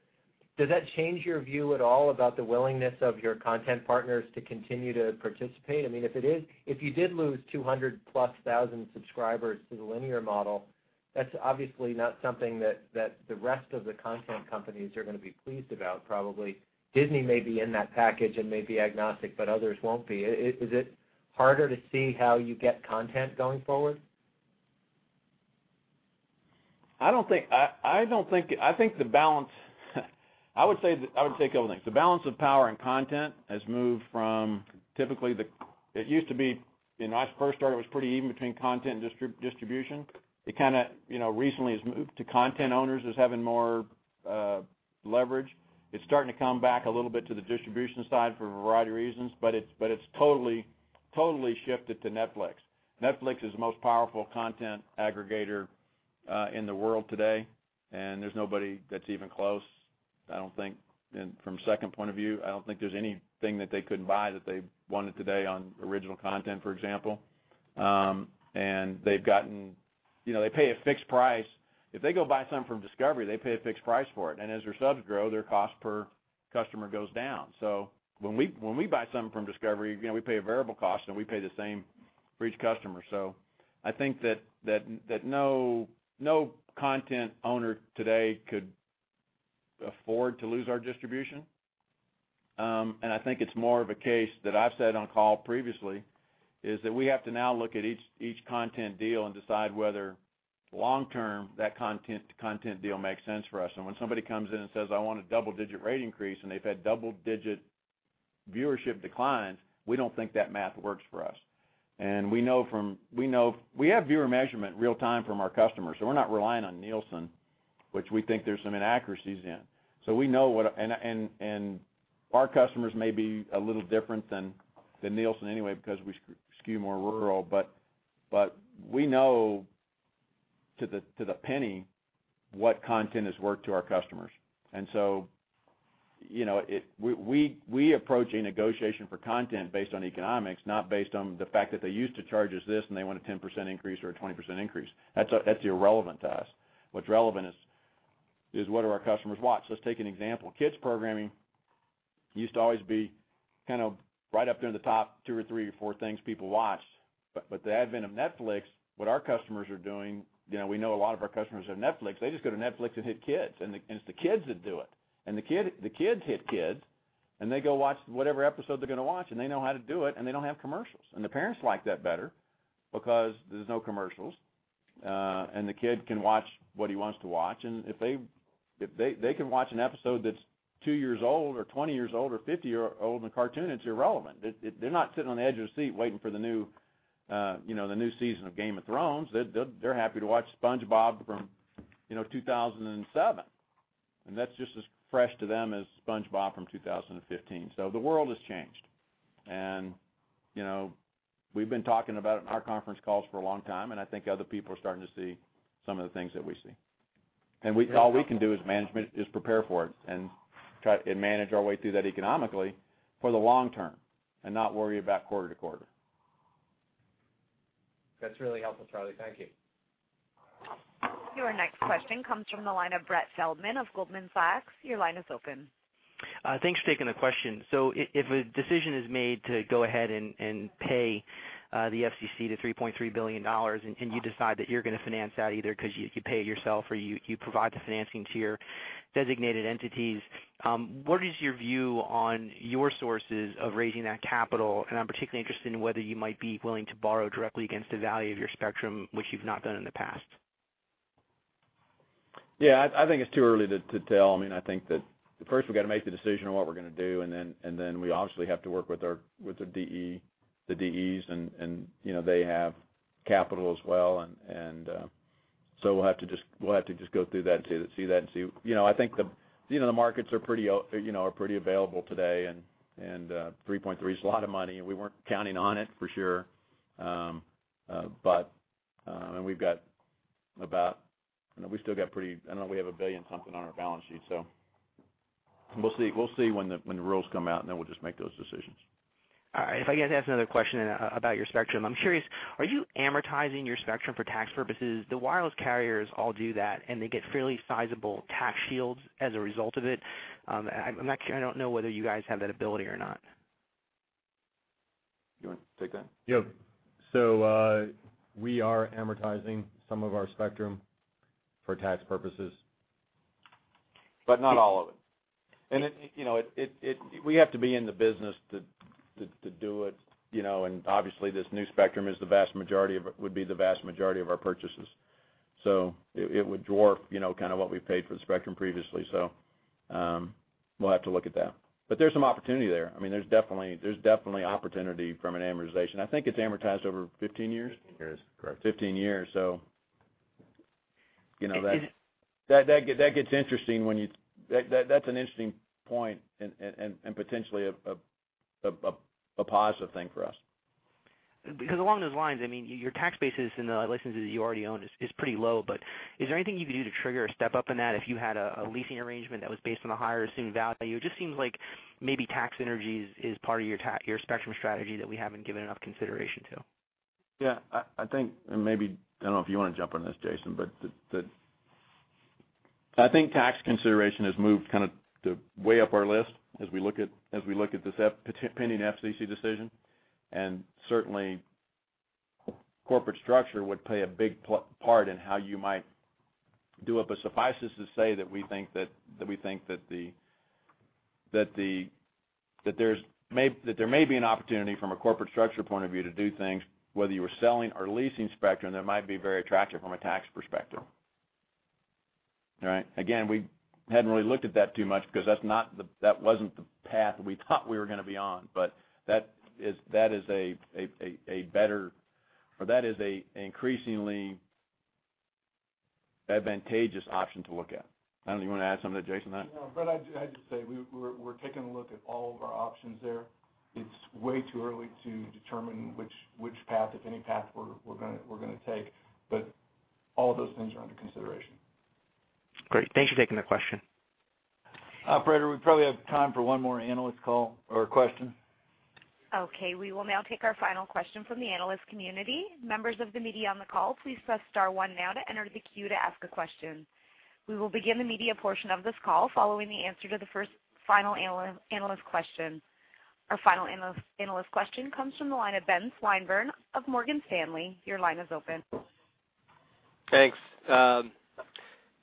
Speaker 14: does that change your view at all about the willingness of your content partners to continue to participate? I mean, if you did lose 200,000+ subscribers to the linear model, that's obviously not something that the rest of the content companies are gonna be pleased about probably. Disney may be in that package and may be agnostic, but others won't be. Is it harder to see how you get content going forward?
Speaker 7: I don't think the balance. I would say a couple things. The balance of power and content has moved from typically the It used to be, you know, when I first started, it was pretty even between content and distribution. It kinda, you know, recently has moved to content owners as having more leverage. It's starting to come back a little bit to the distribution side for a variety of reasons, but it's totally shifted to Netflix. Netflix is the most powerful content aggregator in the world today, and there's nobody that's even close, I don't think. From second point of view, I don't think there's anything that they couldn't buy that they wanted today on original content, for example. They've gotten You know, they pay a fixed price. If they go buy something from Discovery, they pay a fixed price for it, and as their subs grow, their cost per customer goes down. When we buy something from Discovery, you know, we pay a variable cost, and we pay the same for each customer. I think that no content owner today could afford to lose our distribution. I think it's more of a case that I've said on call previously, is that we have to now look at each content deal and decide whether long term that content deal makes sense for us. When somebody comes in and says, "I want a double-digit rate increase," and they've had double-digit viewership declines, we don't think that math works for us. We know We have viewer measurement real time from our customers, so we're not relying on Nielsen, which we think there's some inaccuracies in. We know what Our customers may be a little different than Nielsen anyway because we skew more rural. We know to the penny what content has worked to our customers. You know, it We approach a negotiation for content based on economics, not based on the fact that they used to charge us this, and they want a 10% increase or a 20% increase. That's irrelevant to us. What's relevant is what do our customers watch. Let's take an example. Kids programming used to always be kind of right up there in the top two or three or four things people watch. The advent of Netflix, what our customers are doing. You know, we know a lot of our customers have Netflix. They just go to Netflix and hit Kids, and it's the kids that do it. The kids hit Kids, and they go watch whatever episode they're gonna watch, and they know how to do it, and they don't have commercials. The parents like that better because there's no commercials, and the kid can watch what he wants to watch. If they can watch an episode that's two years old or 20 years old or 50 year-old, the cartoon, it's irrelevant. They're not sitting on the edge of their seat waiting for the new, you know, the new season of Game of Thrones. They're happy to watch SpongeBob from, you know, 2007, and that's just as fresh to them as SpongeBob from 2015. The world has changed. You know, we've been talking about it in our conference calls for a long time, and I think other people are starting to see some of the things that we see. All we can do as management is prepare for it and manage our way through that economically for the long term and not worry about quarter to quarter.
Speaker 14: That's really helpful, Charlie. Thank you.
Speaker 1: Your next question comes from the line of Brett Feldman of Goldman Sachs. Your line is open.
Speaker 15: Thanks for taking the question. If a decision is made to go ahead and pay the FCC the $3.3 billion, and you decide that you're gonna finance that, either 'cause you pay it yourself or you provide the financing to your designated entities, what is your view on your sources of raising that capital? I'm particularly interested in whether you might be willing to borrow directly against the value of your spectrum, which you've not done in the past.
Speaker 7: Yeah. I think it's too early to tell. I mean, I think that first we've got to make the decision on what we're going to do, then we obviously have to work with our, with the DEs, and, you know, they have capital as well. We'll have to just go through that to see that and see. You know, the markets are pretty, you know, are pretty available today, and $3.3 billion is a lot of money, we weren't counting on it, for sure. We've got about, you know, we still got a billion something on our balance sheet, we'll see. We'll see when the rules come out, and then we'll just make those decisions.
Speaker 15: All right. If I can ask another question about your spectrum. I'm curious, are you amortizing your spectrum for tax purposes? The wireless carriers all do that, and they get fairly sizable tax shields as a result of it. I'm not sure. I don't know whether you guys have that ability or not.
Speaker 7: You wanna take that?
Speaker 16: Yep. We are amortizing some of our spectrum for tax purposes.
Speaker 7: Not all of it. We have to be in the business to do it, you know, and obviously, this new spectrum would be the vast majority of our purchases. It would dwarf, you know, kind of what we've paid for the spectrum previously, so we'll have to look at that. There's some opportunity there. I mean, there's definitely opportunity from an amortization. I think it's amortized over 15 years.
Speaker 16: 15 years, correct.
Speaker 7: 15 years, so you know. That's an interesting point and potentially a positive thing for us.
Speaker 15: Along those lines, I mean, your tax bases and the licenses you already own is pretty low, but is there anything you can do to trigger a step up in that if you had a leasing arrangement that was based on the higher assumed value? It just seems like maybe tax synergy is part of your spectrum strategy that we haven't given enough consideration to.
Speaker 7: Yeah. I think, maybe, I don't know if you wanna jump on this, Jason, the I think tax consideration has moved kind of to way up our list as we look at, as we look at this pending FCC decision. Certainly, corporate structure would play a big part in how you might do it. Suffice it to say that we think that the, that there may be an opportunity from a corporate structure point of view to do things, whether you were selling or leasing spectrum, that might be very attractive from a tax perspective. All right? Again, we hadn't really looked at that too much because that wasn't the path we thought we were gonna be on. That is a better or that is a increasingly advantageous option to look at. I don't know, you wanna add something to Jason on that?
Speaker 2: No, but I just say we're taking a look at all of our options there. It's way too early to determine which path, if any path we're gonna take. All those things are under consideration.
Speaker 15: Great. Thanks for taking the question.
Speaker 7: Operator, we probably have time for one more analyst call or question.
Speaker 1: Okay, we will now take our final question from the analyst community. Members of the media on the call, please press star one now to enter the queue to ask a question. We will begin the media portion of this call following the answer to the first final analyst question. Our final analyst question comes from the line of Ben Swinburne of Morgan Stanley. Your line is open.
Speaker 17: Thanks.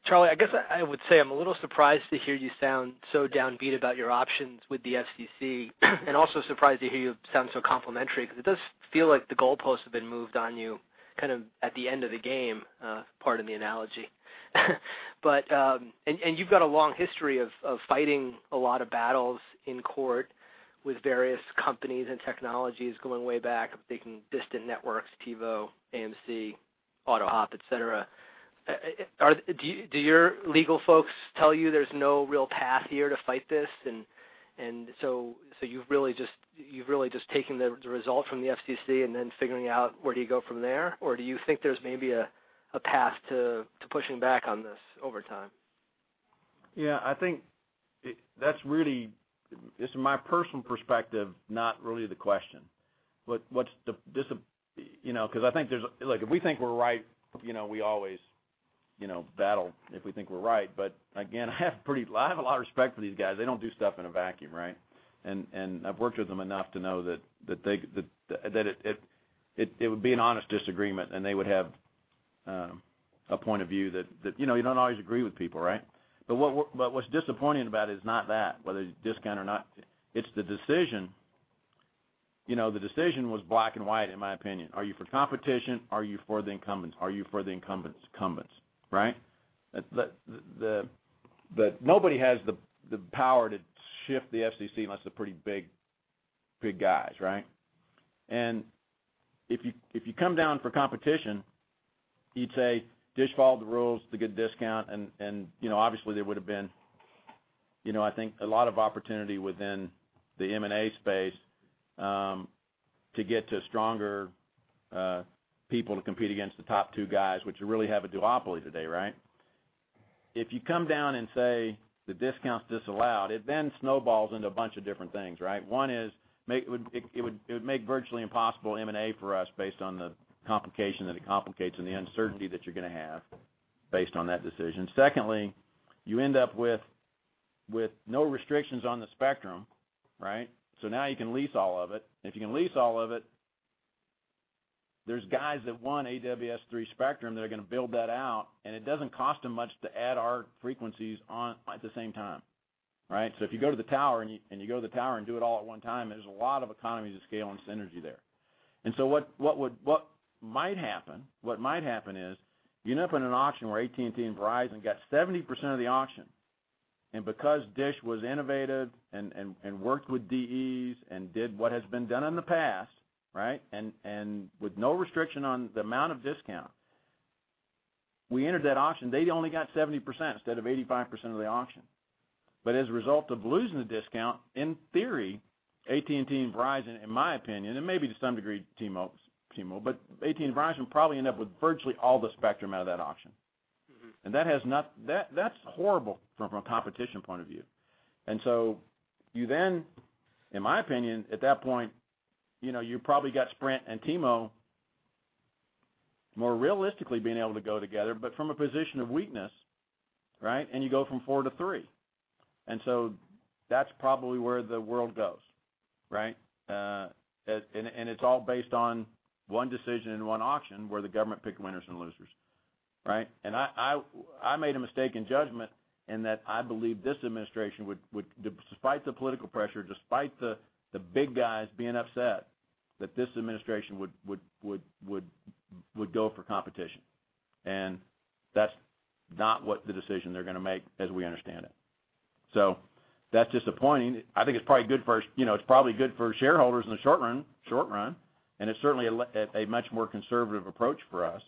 Speaker 17: Charlie, I guess I would say I'm a little surprised to hear you sound so downbeat about your options with the FCC, and also surprised to hear you sound so complimentary, 'cause it does feel like the goalposts have been moved on you kind of at the end of the game, pardon the analogy. You've got a long history of fighting a lot of battles in court with various companies and technologies going way back. I'm thinking Distant Networks, TiVo, AMC, AutoHop, et cetera. Do your legal folks tell you there's no real path here to fight this? You've really just taken the result from the FCC and then figuring out where do you go from there? Do you think there's maybe a path to pushing back on this over time?
Speaker 7: Yeah, I think that's really, just my personal perspective, not really the question. What's, you know, 'cause I think there's Like, if we think we're right, you know, we always, you know, battle if we think we're right. Again, I have a lot of respect for these guys. They don't do stuff in a vacuum, right? And I've worked with them enough to know that they that it would be an honest disagreement, and they would have a point of view that, you know, you don't always agree with people, right? What's disappointing about it is not that, whether it's discount or not. It's the decision. You know, the decision was black and white, in my opinion. Are you for competition? Are you for the incumbents? Are you for the incumbents, right? Nobody has the power to shift the FCC unless the pretty big guys, right? If you come down for competition, you'd say, DISH followed the rules to get discount, and, you know, obviously, there would have been, you know, I think a lot of opportunity within the M&A space to get to stronger people to compete against the top two guys, which really have a duopoly today, right? If you come down and say the discount's disallowed, it snowballs into a bunch of different things, right? One is it would make virtually impossible M&A for us based on the complication that it complicates and the uncertainty that you're gonna have based on that decision. Secondly, you end up with no restrictions on the spectrum, right? Now you can lease all of it. If you can lease all of it, there's guys that want AWS-3 spectrum that are gonna build that out, and it doesn't cost them much to add our frequencies on at the same time, right? If you go to the tower and do it all at one time, there's a lot of economies of scale and synergy there. What might happen is you end up in an auction where AT&T and Verizon got 70% of the auction. Because DISH was innovative and worked with DEs and did what has been done in the past, right? With no restriction on the amount of discount, we entered that auction. They only got 70% instead of 85% of the auction. As a result of losing the discount, in theory, AT&T and Verizon, in my opinion, and maybe to some degree T-Mobile, but AT&T and Verizon probably end up with virtually all the spectrum out of that auction. That's horrible from a competition point of view. You then, in my opinion, at that point, you know, you probably got Sprint and T-Mobile more realistically being able to go together, but from a position of weakness, right? You go from four to three. That's probably where the world goes, right? It's all based on one decision and one auction where the government pick winners and losers, right? I made a mistake in judgment in that I believe this administration despite the political pressure, despite the big guys being upset, that this administration would go for competition. That's not what the decision they're gonna make as we understand it. That's disappointing. I think it's probably good for you know, it's probably good for shareholders in the short run, and it's certainly a much more conservative approach for us.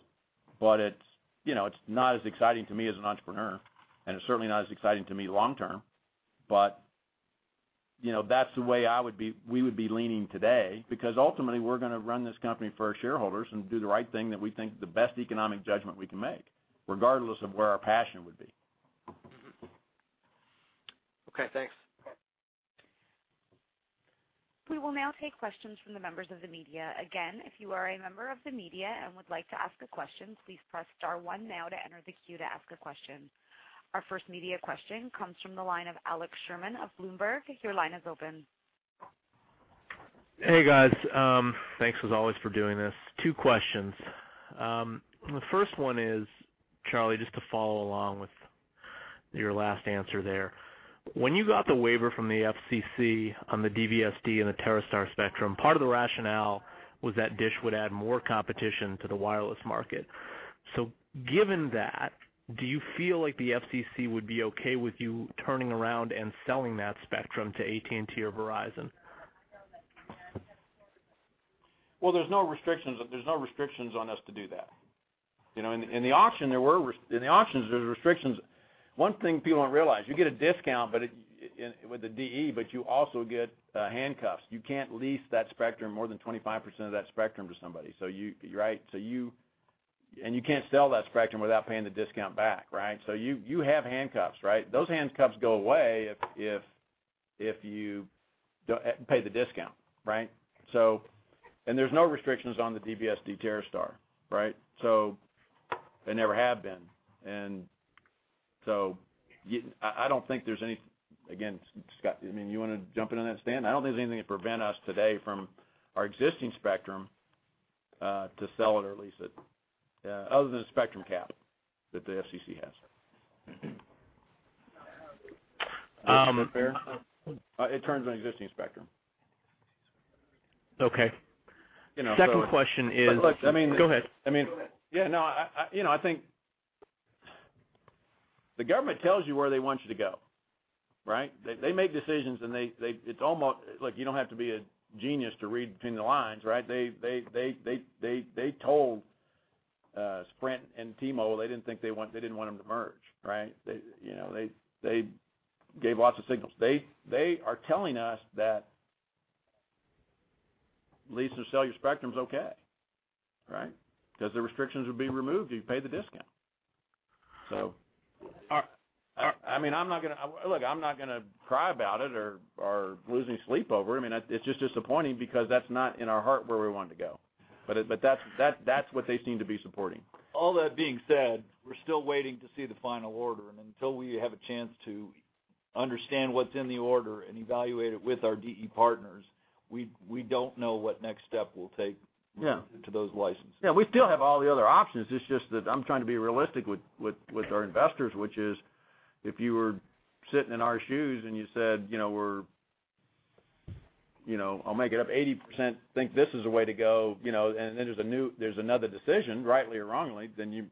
Speaker 7: It's, you know, it's not as exciting to me as an entrepreneur, and it's certainly not as exciting to me long term. You know, that's the way we would be leaning today because ultimately we're gonna run this company for our shareholders and do the right thing that we think the best economic judgment we can make, regardless of where our passion would be.
Speaker 17: Okay, thanks.
Speaker 1: We will now take questions from the members of the media. Again, if you are a member of the media and would like to ask a question, please press star one now to enter the queue to ask a question. Our first media question comes from the line of Alex Sherman of Bloomberg. Your line is open.
Speaker 18: Hey, guys. Thanks as always for doing this. Two questions. The first one is, Charlie, just to follow along with your last answer there. When you got the waiver from the FCC on the DBSD and the TerreStar spectrum, part of the rationale was that Dish would add more competition to the wireless market. Given that, do you feel like the FCC would be okay with you turning around and selling that spectrum to AT&T or Verizon?
Speaker 7: Well, there's no restrictions. There's no restrictions on us to do that. You know, in the auctions there's restrictions. One thing people don't realize, you get a discount, but with the DE, but you also get handcuffs. You can't lease that spectrum, more than 25% of that spectrum to somebody, right? You can't sell that spectrum without paying the discount back, right? You have handcuffs, right? Those handcuffs go away if you pay the discount, right? There's no restrictions on the DBSD TerreStar, right? There never have been. I don't think there's any, again, Scott, I mean, you wanna jump in on that, Stan? I don't think there's anything to prevent us today from our existing spectrum, to sell it or lease it, other than the spectrum cap that the FCC has.
Speaker 18: Is that fair?
Speaker 19: It turns on existing spectrum.
Speaker 18: Okay.
Speaker 7: You know, so.
Speaker 18: Second question is.
Speaker 7: But look, I mean-
Speaker 18: Go ahead.
Speaker 7: I mean, yeah, no, I, you know, I think the government tells you where they want you to go, right? They make decisions. Look, you don't have to be a genius to read between the lines, right? They told Sprint and T-Mobile they didn't think they didn't want them to merge, right? They, you know, gave lots of signals. They are telling us that leasing cellular spectrum's okay, right? 'Cause the restrictions would be removed if you paid the discount. I mean, I'm not gonna cry about it or losing sleep over it. I mean, it's just disappointing because that's not in our heart where we wanted to go. That's what they seem to be supporting.
Speaker 11: All that being said, we're still waiting to see the final order. Until we have a chance to understand what's in the order and evaluate it with our DE partners, we don't know what next step we'll take.
Speaker 7: Yeah
Speaker 11: To those licenses.
Speaker 7: Yeah, we still have all the other options. It's just that I'm trying to be realistic with our investors, which is if you were sitting in our shoes and you said, you know, we're, you know, I'll make it up 80% think this is the way to go, you know, then there's another decision, rightly or wrongly, then you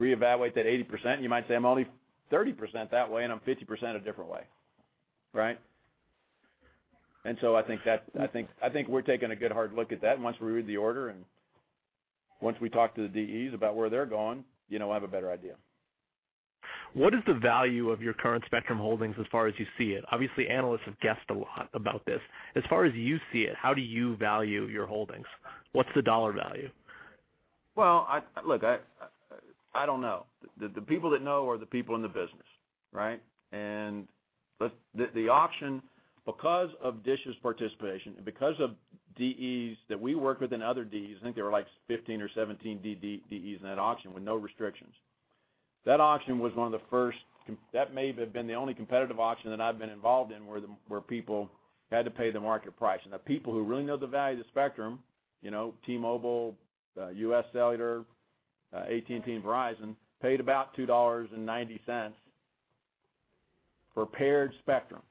Speaker 7: reevaluate that 80%. You might say, I'm only 30% that way, and I'm 50% a different way, right? I think we're taking a good hard look at that once we read the order and once we talk to the DEs about where they're going, you know, we'll have a better idea.
Speaker 18: What is the value of your current spectrum holdings as far as you see it? Obviously, analysts have guessed a lot about this. As far as you see it, how do you value your holdings? What's the dollar value?
Speaker 7: Well, I don't know. The people that know are the people in the business, right? The auction, because of DISH's participation and because of DEs that we work with and other DEs, I think there were, like, 15 or 17 DEs in that auction with no restrictions. That auction was one of the first that may have been the only competitive auction that I've been involved in where people had to pay the market price. The people who really know the value of the spectrum, you know, T-Mobile, U.S. Cellular, AT&T and Verizon, paid about $2.90 for paired spectrum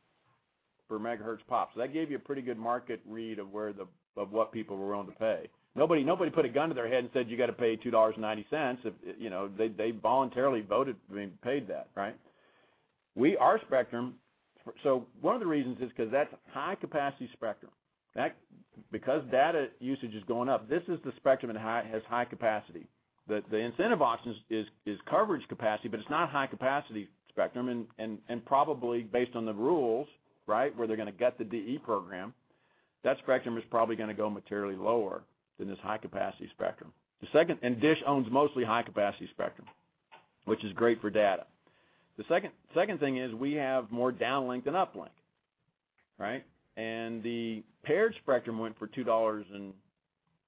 Speaker 7: per MHz-PoP. That gave you a pretty good market read of what people were willing to pay. Nobody put a gun to their head and said, "You gotta pay $2.90." If, you know, they voluntarily voted, I mean, paid that, right? Our spectrum So one of the reasons is 'cause that's high capacity spectrum. Because data usage is going up, this is the spectrum has high capacity. The incentive auction is coverage capacity, but it's not high capacity spectrum and probably based on the rules, right, where they're gonna get the DE program, that spectrum is probably gonna go materially lower than this high capacity spectrum. DISH owns mostly high capacity spectrum, which is great for data. The second thing is we have more downlink than uplink, right? The paired spectrum went for $2.90.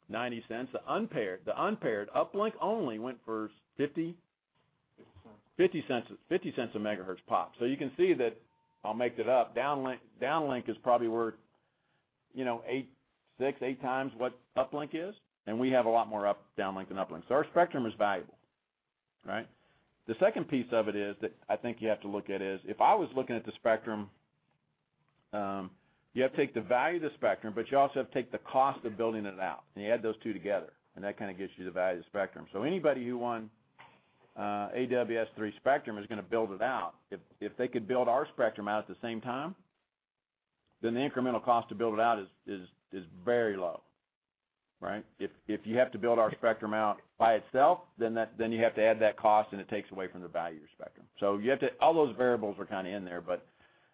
Speaker 7: The unpaired uplink only went for $0.50.
Speaker 11: $0.50.
Speaker 7: $0.50, $0.50 a MHz-PoP. You can see that, I'll make it up, downlink is probably worth, you know, 6-8x what uplink is, and we have a lot more downlink than uplink. Our spectrum is valuable, right? The second piece of it is that I think you have to look at is, if I was looking at the spectrum, you have to take the value of the spectrum, but you also have to take the cost of building it out, and you add those two together, and that kinda gets you the value of the spectrum. Anybody who won AWS-3 spectrum is gonna build it out. If they could build our spectrum out at the same time, then the incremental cost to build it out is very low, right? If you have to build our spectrum out by itself, then you have to add that cost, and it takes away from the value of your spectrum. All those variables are kinda in there, but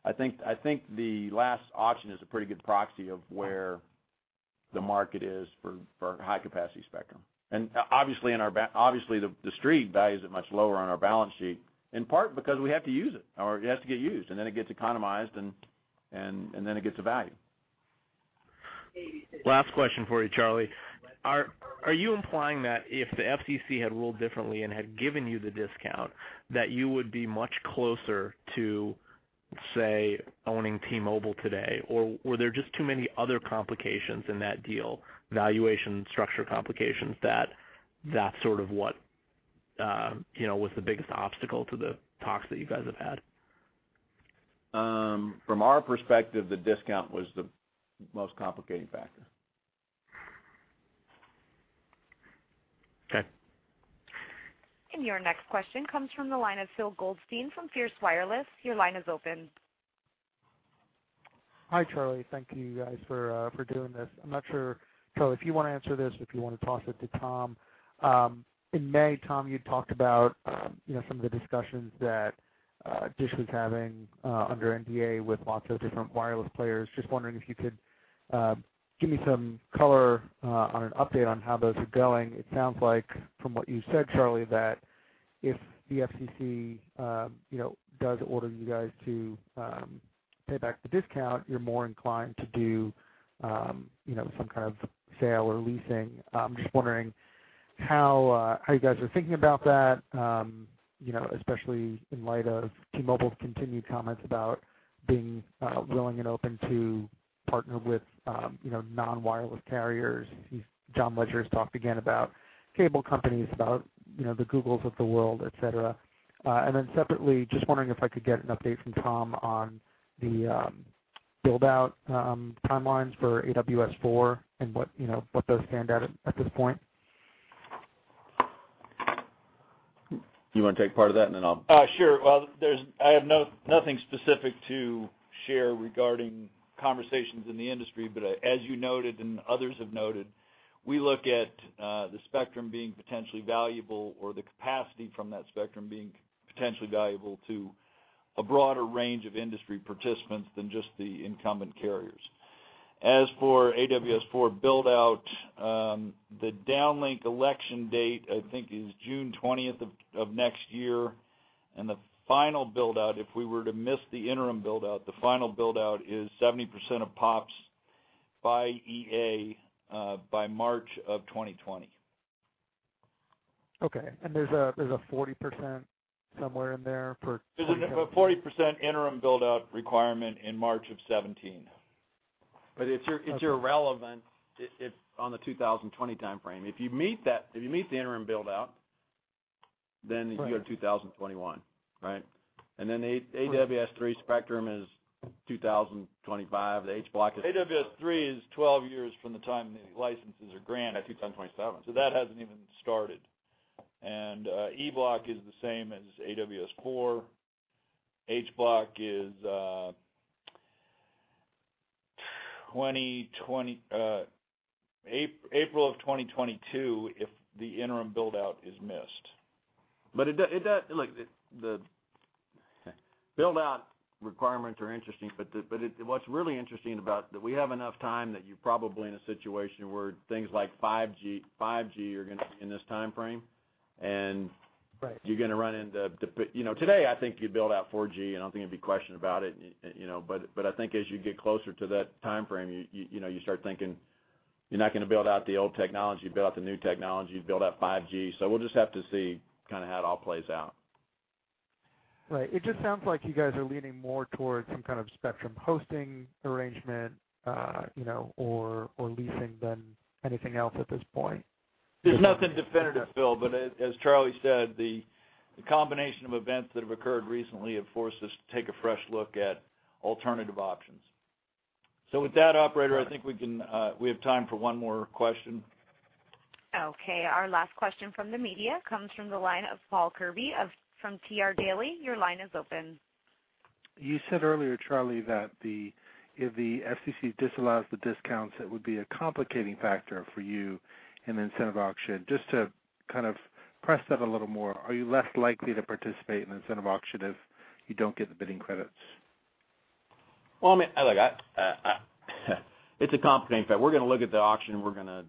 Speaker 7: I think the last option is a pretty good proxy of where the market is for high capacity spectrum. Obviously the street values it much lower on our balance sheet, in part because we have to use it, or it has to get used, and then it gets economized and then it gets a value.
Speaker 18: Last question for you, Charlie. Are you implying that if the FCC had ruled differently and had given you the discount, that you would be much closer to, say, owning T-Mobile today? Were there just too many other complications in that deal, valuation structure complications, that that's sort of what, you know, was the biggest obstacle to the talks that you guys have had?
Speaker 7: From our perspective, the discount was the most complicating factor.
Speaker 18: Okay.
Speaker 1: Your next question comes from the line of Phil Goldstein from FierceWireless. Your line is open.
Speaker 20: Hi, Charlie. Thank you guys for doing this. I'm not sure, Phil, if you wanna answer this or if you wanna toss it to Tom. In May, Tom, you talked about, you know, some of the discussions that DISH Network was having under NDA with lots of different wireless players. Just wondering if you could give me some color on an update on how those are going. It sounds like from what you said, Charlie, that if the FCC, you know, does order you guys to pay back the discount, you're more inclined to do, you know, some kind of sale or leasing. I'm just wondering how you guys are thinking about that, you know, especially in light of T-Mobile's continued comments about being willing and open to partner with, you know, non-wireless carriers. John Legere's talked again about cable companies, about, you know, the Googles of the world, et cetera. Then separately, just wondering if I could get an update from Tom on the build out timelines for AWS-4 and what, you know, what those stand at this point.
Speaker 7: You wanna take part of that.
Speaker 11: Sure. Well, there's, I have nothing specific to share regarding conversations in the industry, but as you noted and others have noted, we look at the spectrum being potentially valuable or the capacity from that spectrum being potentially valuable to a broader range of industry participants than just the incumbent carriers. As for AWS-4 build out, the downlink election date I think is June 20th of next year, and the final build out, if we were to miss the interim build out, the final build out is 70% of PoPs by EA, by March of 2020.
Speaker 20: Okay, there's a 40% somewhere in there for-
Speaker 11: There's a 40% interim build out requirement in March of 2017.
Speaker 7: It's irrelevant if on the 2020 timeframe. If you meet that, if you meet the interim build out, then you go to 2021, right? AWS-3 spectrum is 2025. The H Block is.
Speaker 11: AWS-3 is 12 years from the time the licenses are granted.
Speaker 7: That's 2027.
Speaker 11: That hasn't even started. E Block is the same as AWS-4. H Block is 2020 April of 2022 if the interim build out is missed.
Speaker 7: But look, the build out requirements are interesting, but it, what's really interesting about that we have enough time that you're probably in a situation where things like 5G are gonna be in this timeframe.
Speaker 20: Right
Speaker 7: you're gonna run into You know, today I think you build out 4G, I don't think there'd be a question about it, you know. I think as you get closer to that timeframe, you know, you start thinking you're not gonna build out the old technology. You build out the new technology, you build out 5G. We'll just have to see kinda how it all plays out.
Speaker 20: Right. It just sounds like you guys are leaning more towards some kind of spectrum hosting arrangement, you know, or leasing than anything else at this point.
Speaker 11: There's nothing definitive, Phil, but as Charlie said, the combination of events that have occurred recently have forced us to take a fresh look at alternative options. With that, operator, I think we can, we have time for one more question.
Speaker 1: Okay, our last question from the media comes from the line of Paul Kirby from TR Daily. Your line is open.
Speaker 21: You said earlier, Charlie, that if the FCC disallows the discounts, it would be a complicating factor for you in the incentive auction. Just to kind of press that a little more, are you less likely to participate in the incentive auction if you don't get the bidding credits?
Speaker 7: Well, I mean, look, I, it's a complicating factor. We're gonna look at the auction. We're gonna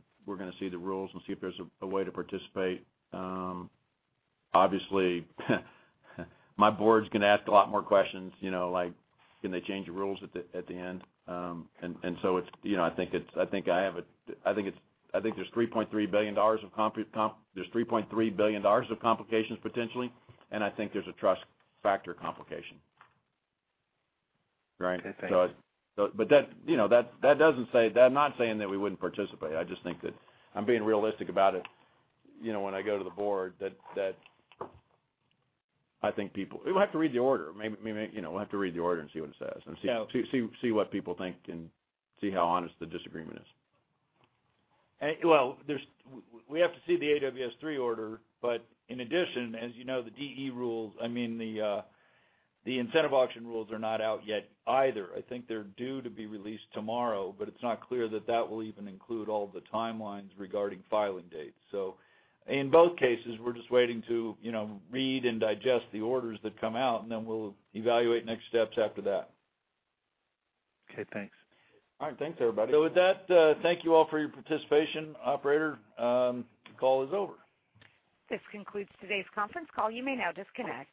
Speaker 7: see the rules and see if there's a way to participate. Obviously, my board's gonna ask a lot more questions, you know, like can they change the rules at the end? It's, you know, I think there's $3.3 billion of complications potentially, I think there's a trust factor complication, right?
Speaker 21: Okay, thanks.
Speaker 7: I, so, but that, you know, that doesn't say, I'm not saying that we wouldn't participate. I just think that I'm being realistic about it, you know, when I go to the board, that I think people We'll have to read the order. You know, we'll have to read the order and see what it says and see what people think and see how honest the disagreement is.
Speaker 11: Well, we have to see the AWS-3 order. In addition, as you know, the DE rules, I mean, the incentive auction rules are not out yet either. I think they're due to be released tomorrow, it's not clear that will even include all the timelines regarding filing dates. In both cases, we're just waiting to, you know, read and digest the orders that come out, then we'll evaluate next steps after that.
Speaker 21: Okay, thanks.
Speaker 7: All right. Thanks, everybody.
Speaker 11: With that, thank you all for your participation. Operator, the call is over.
Speaker 1: This concludes today's conference call. You may now disconnect.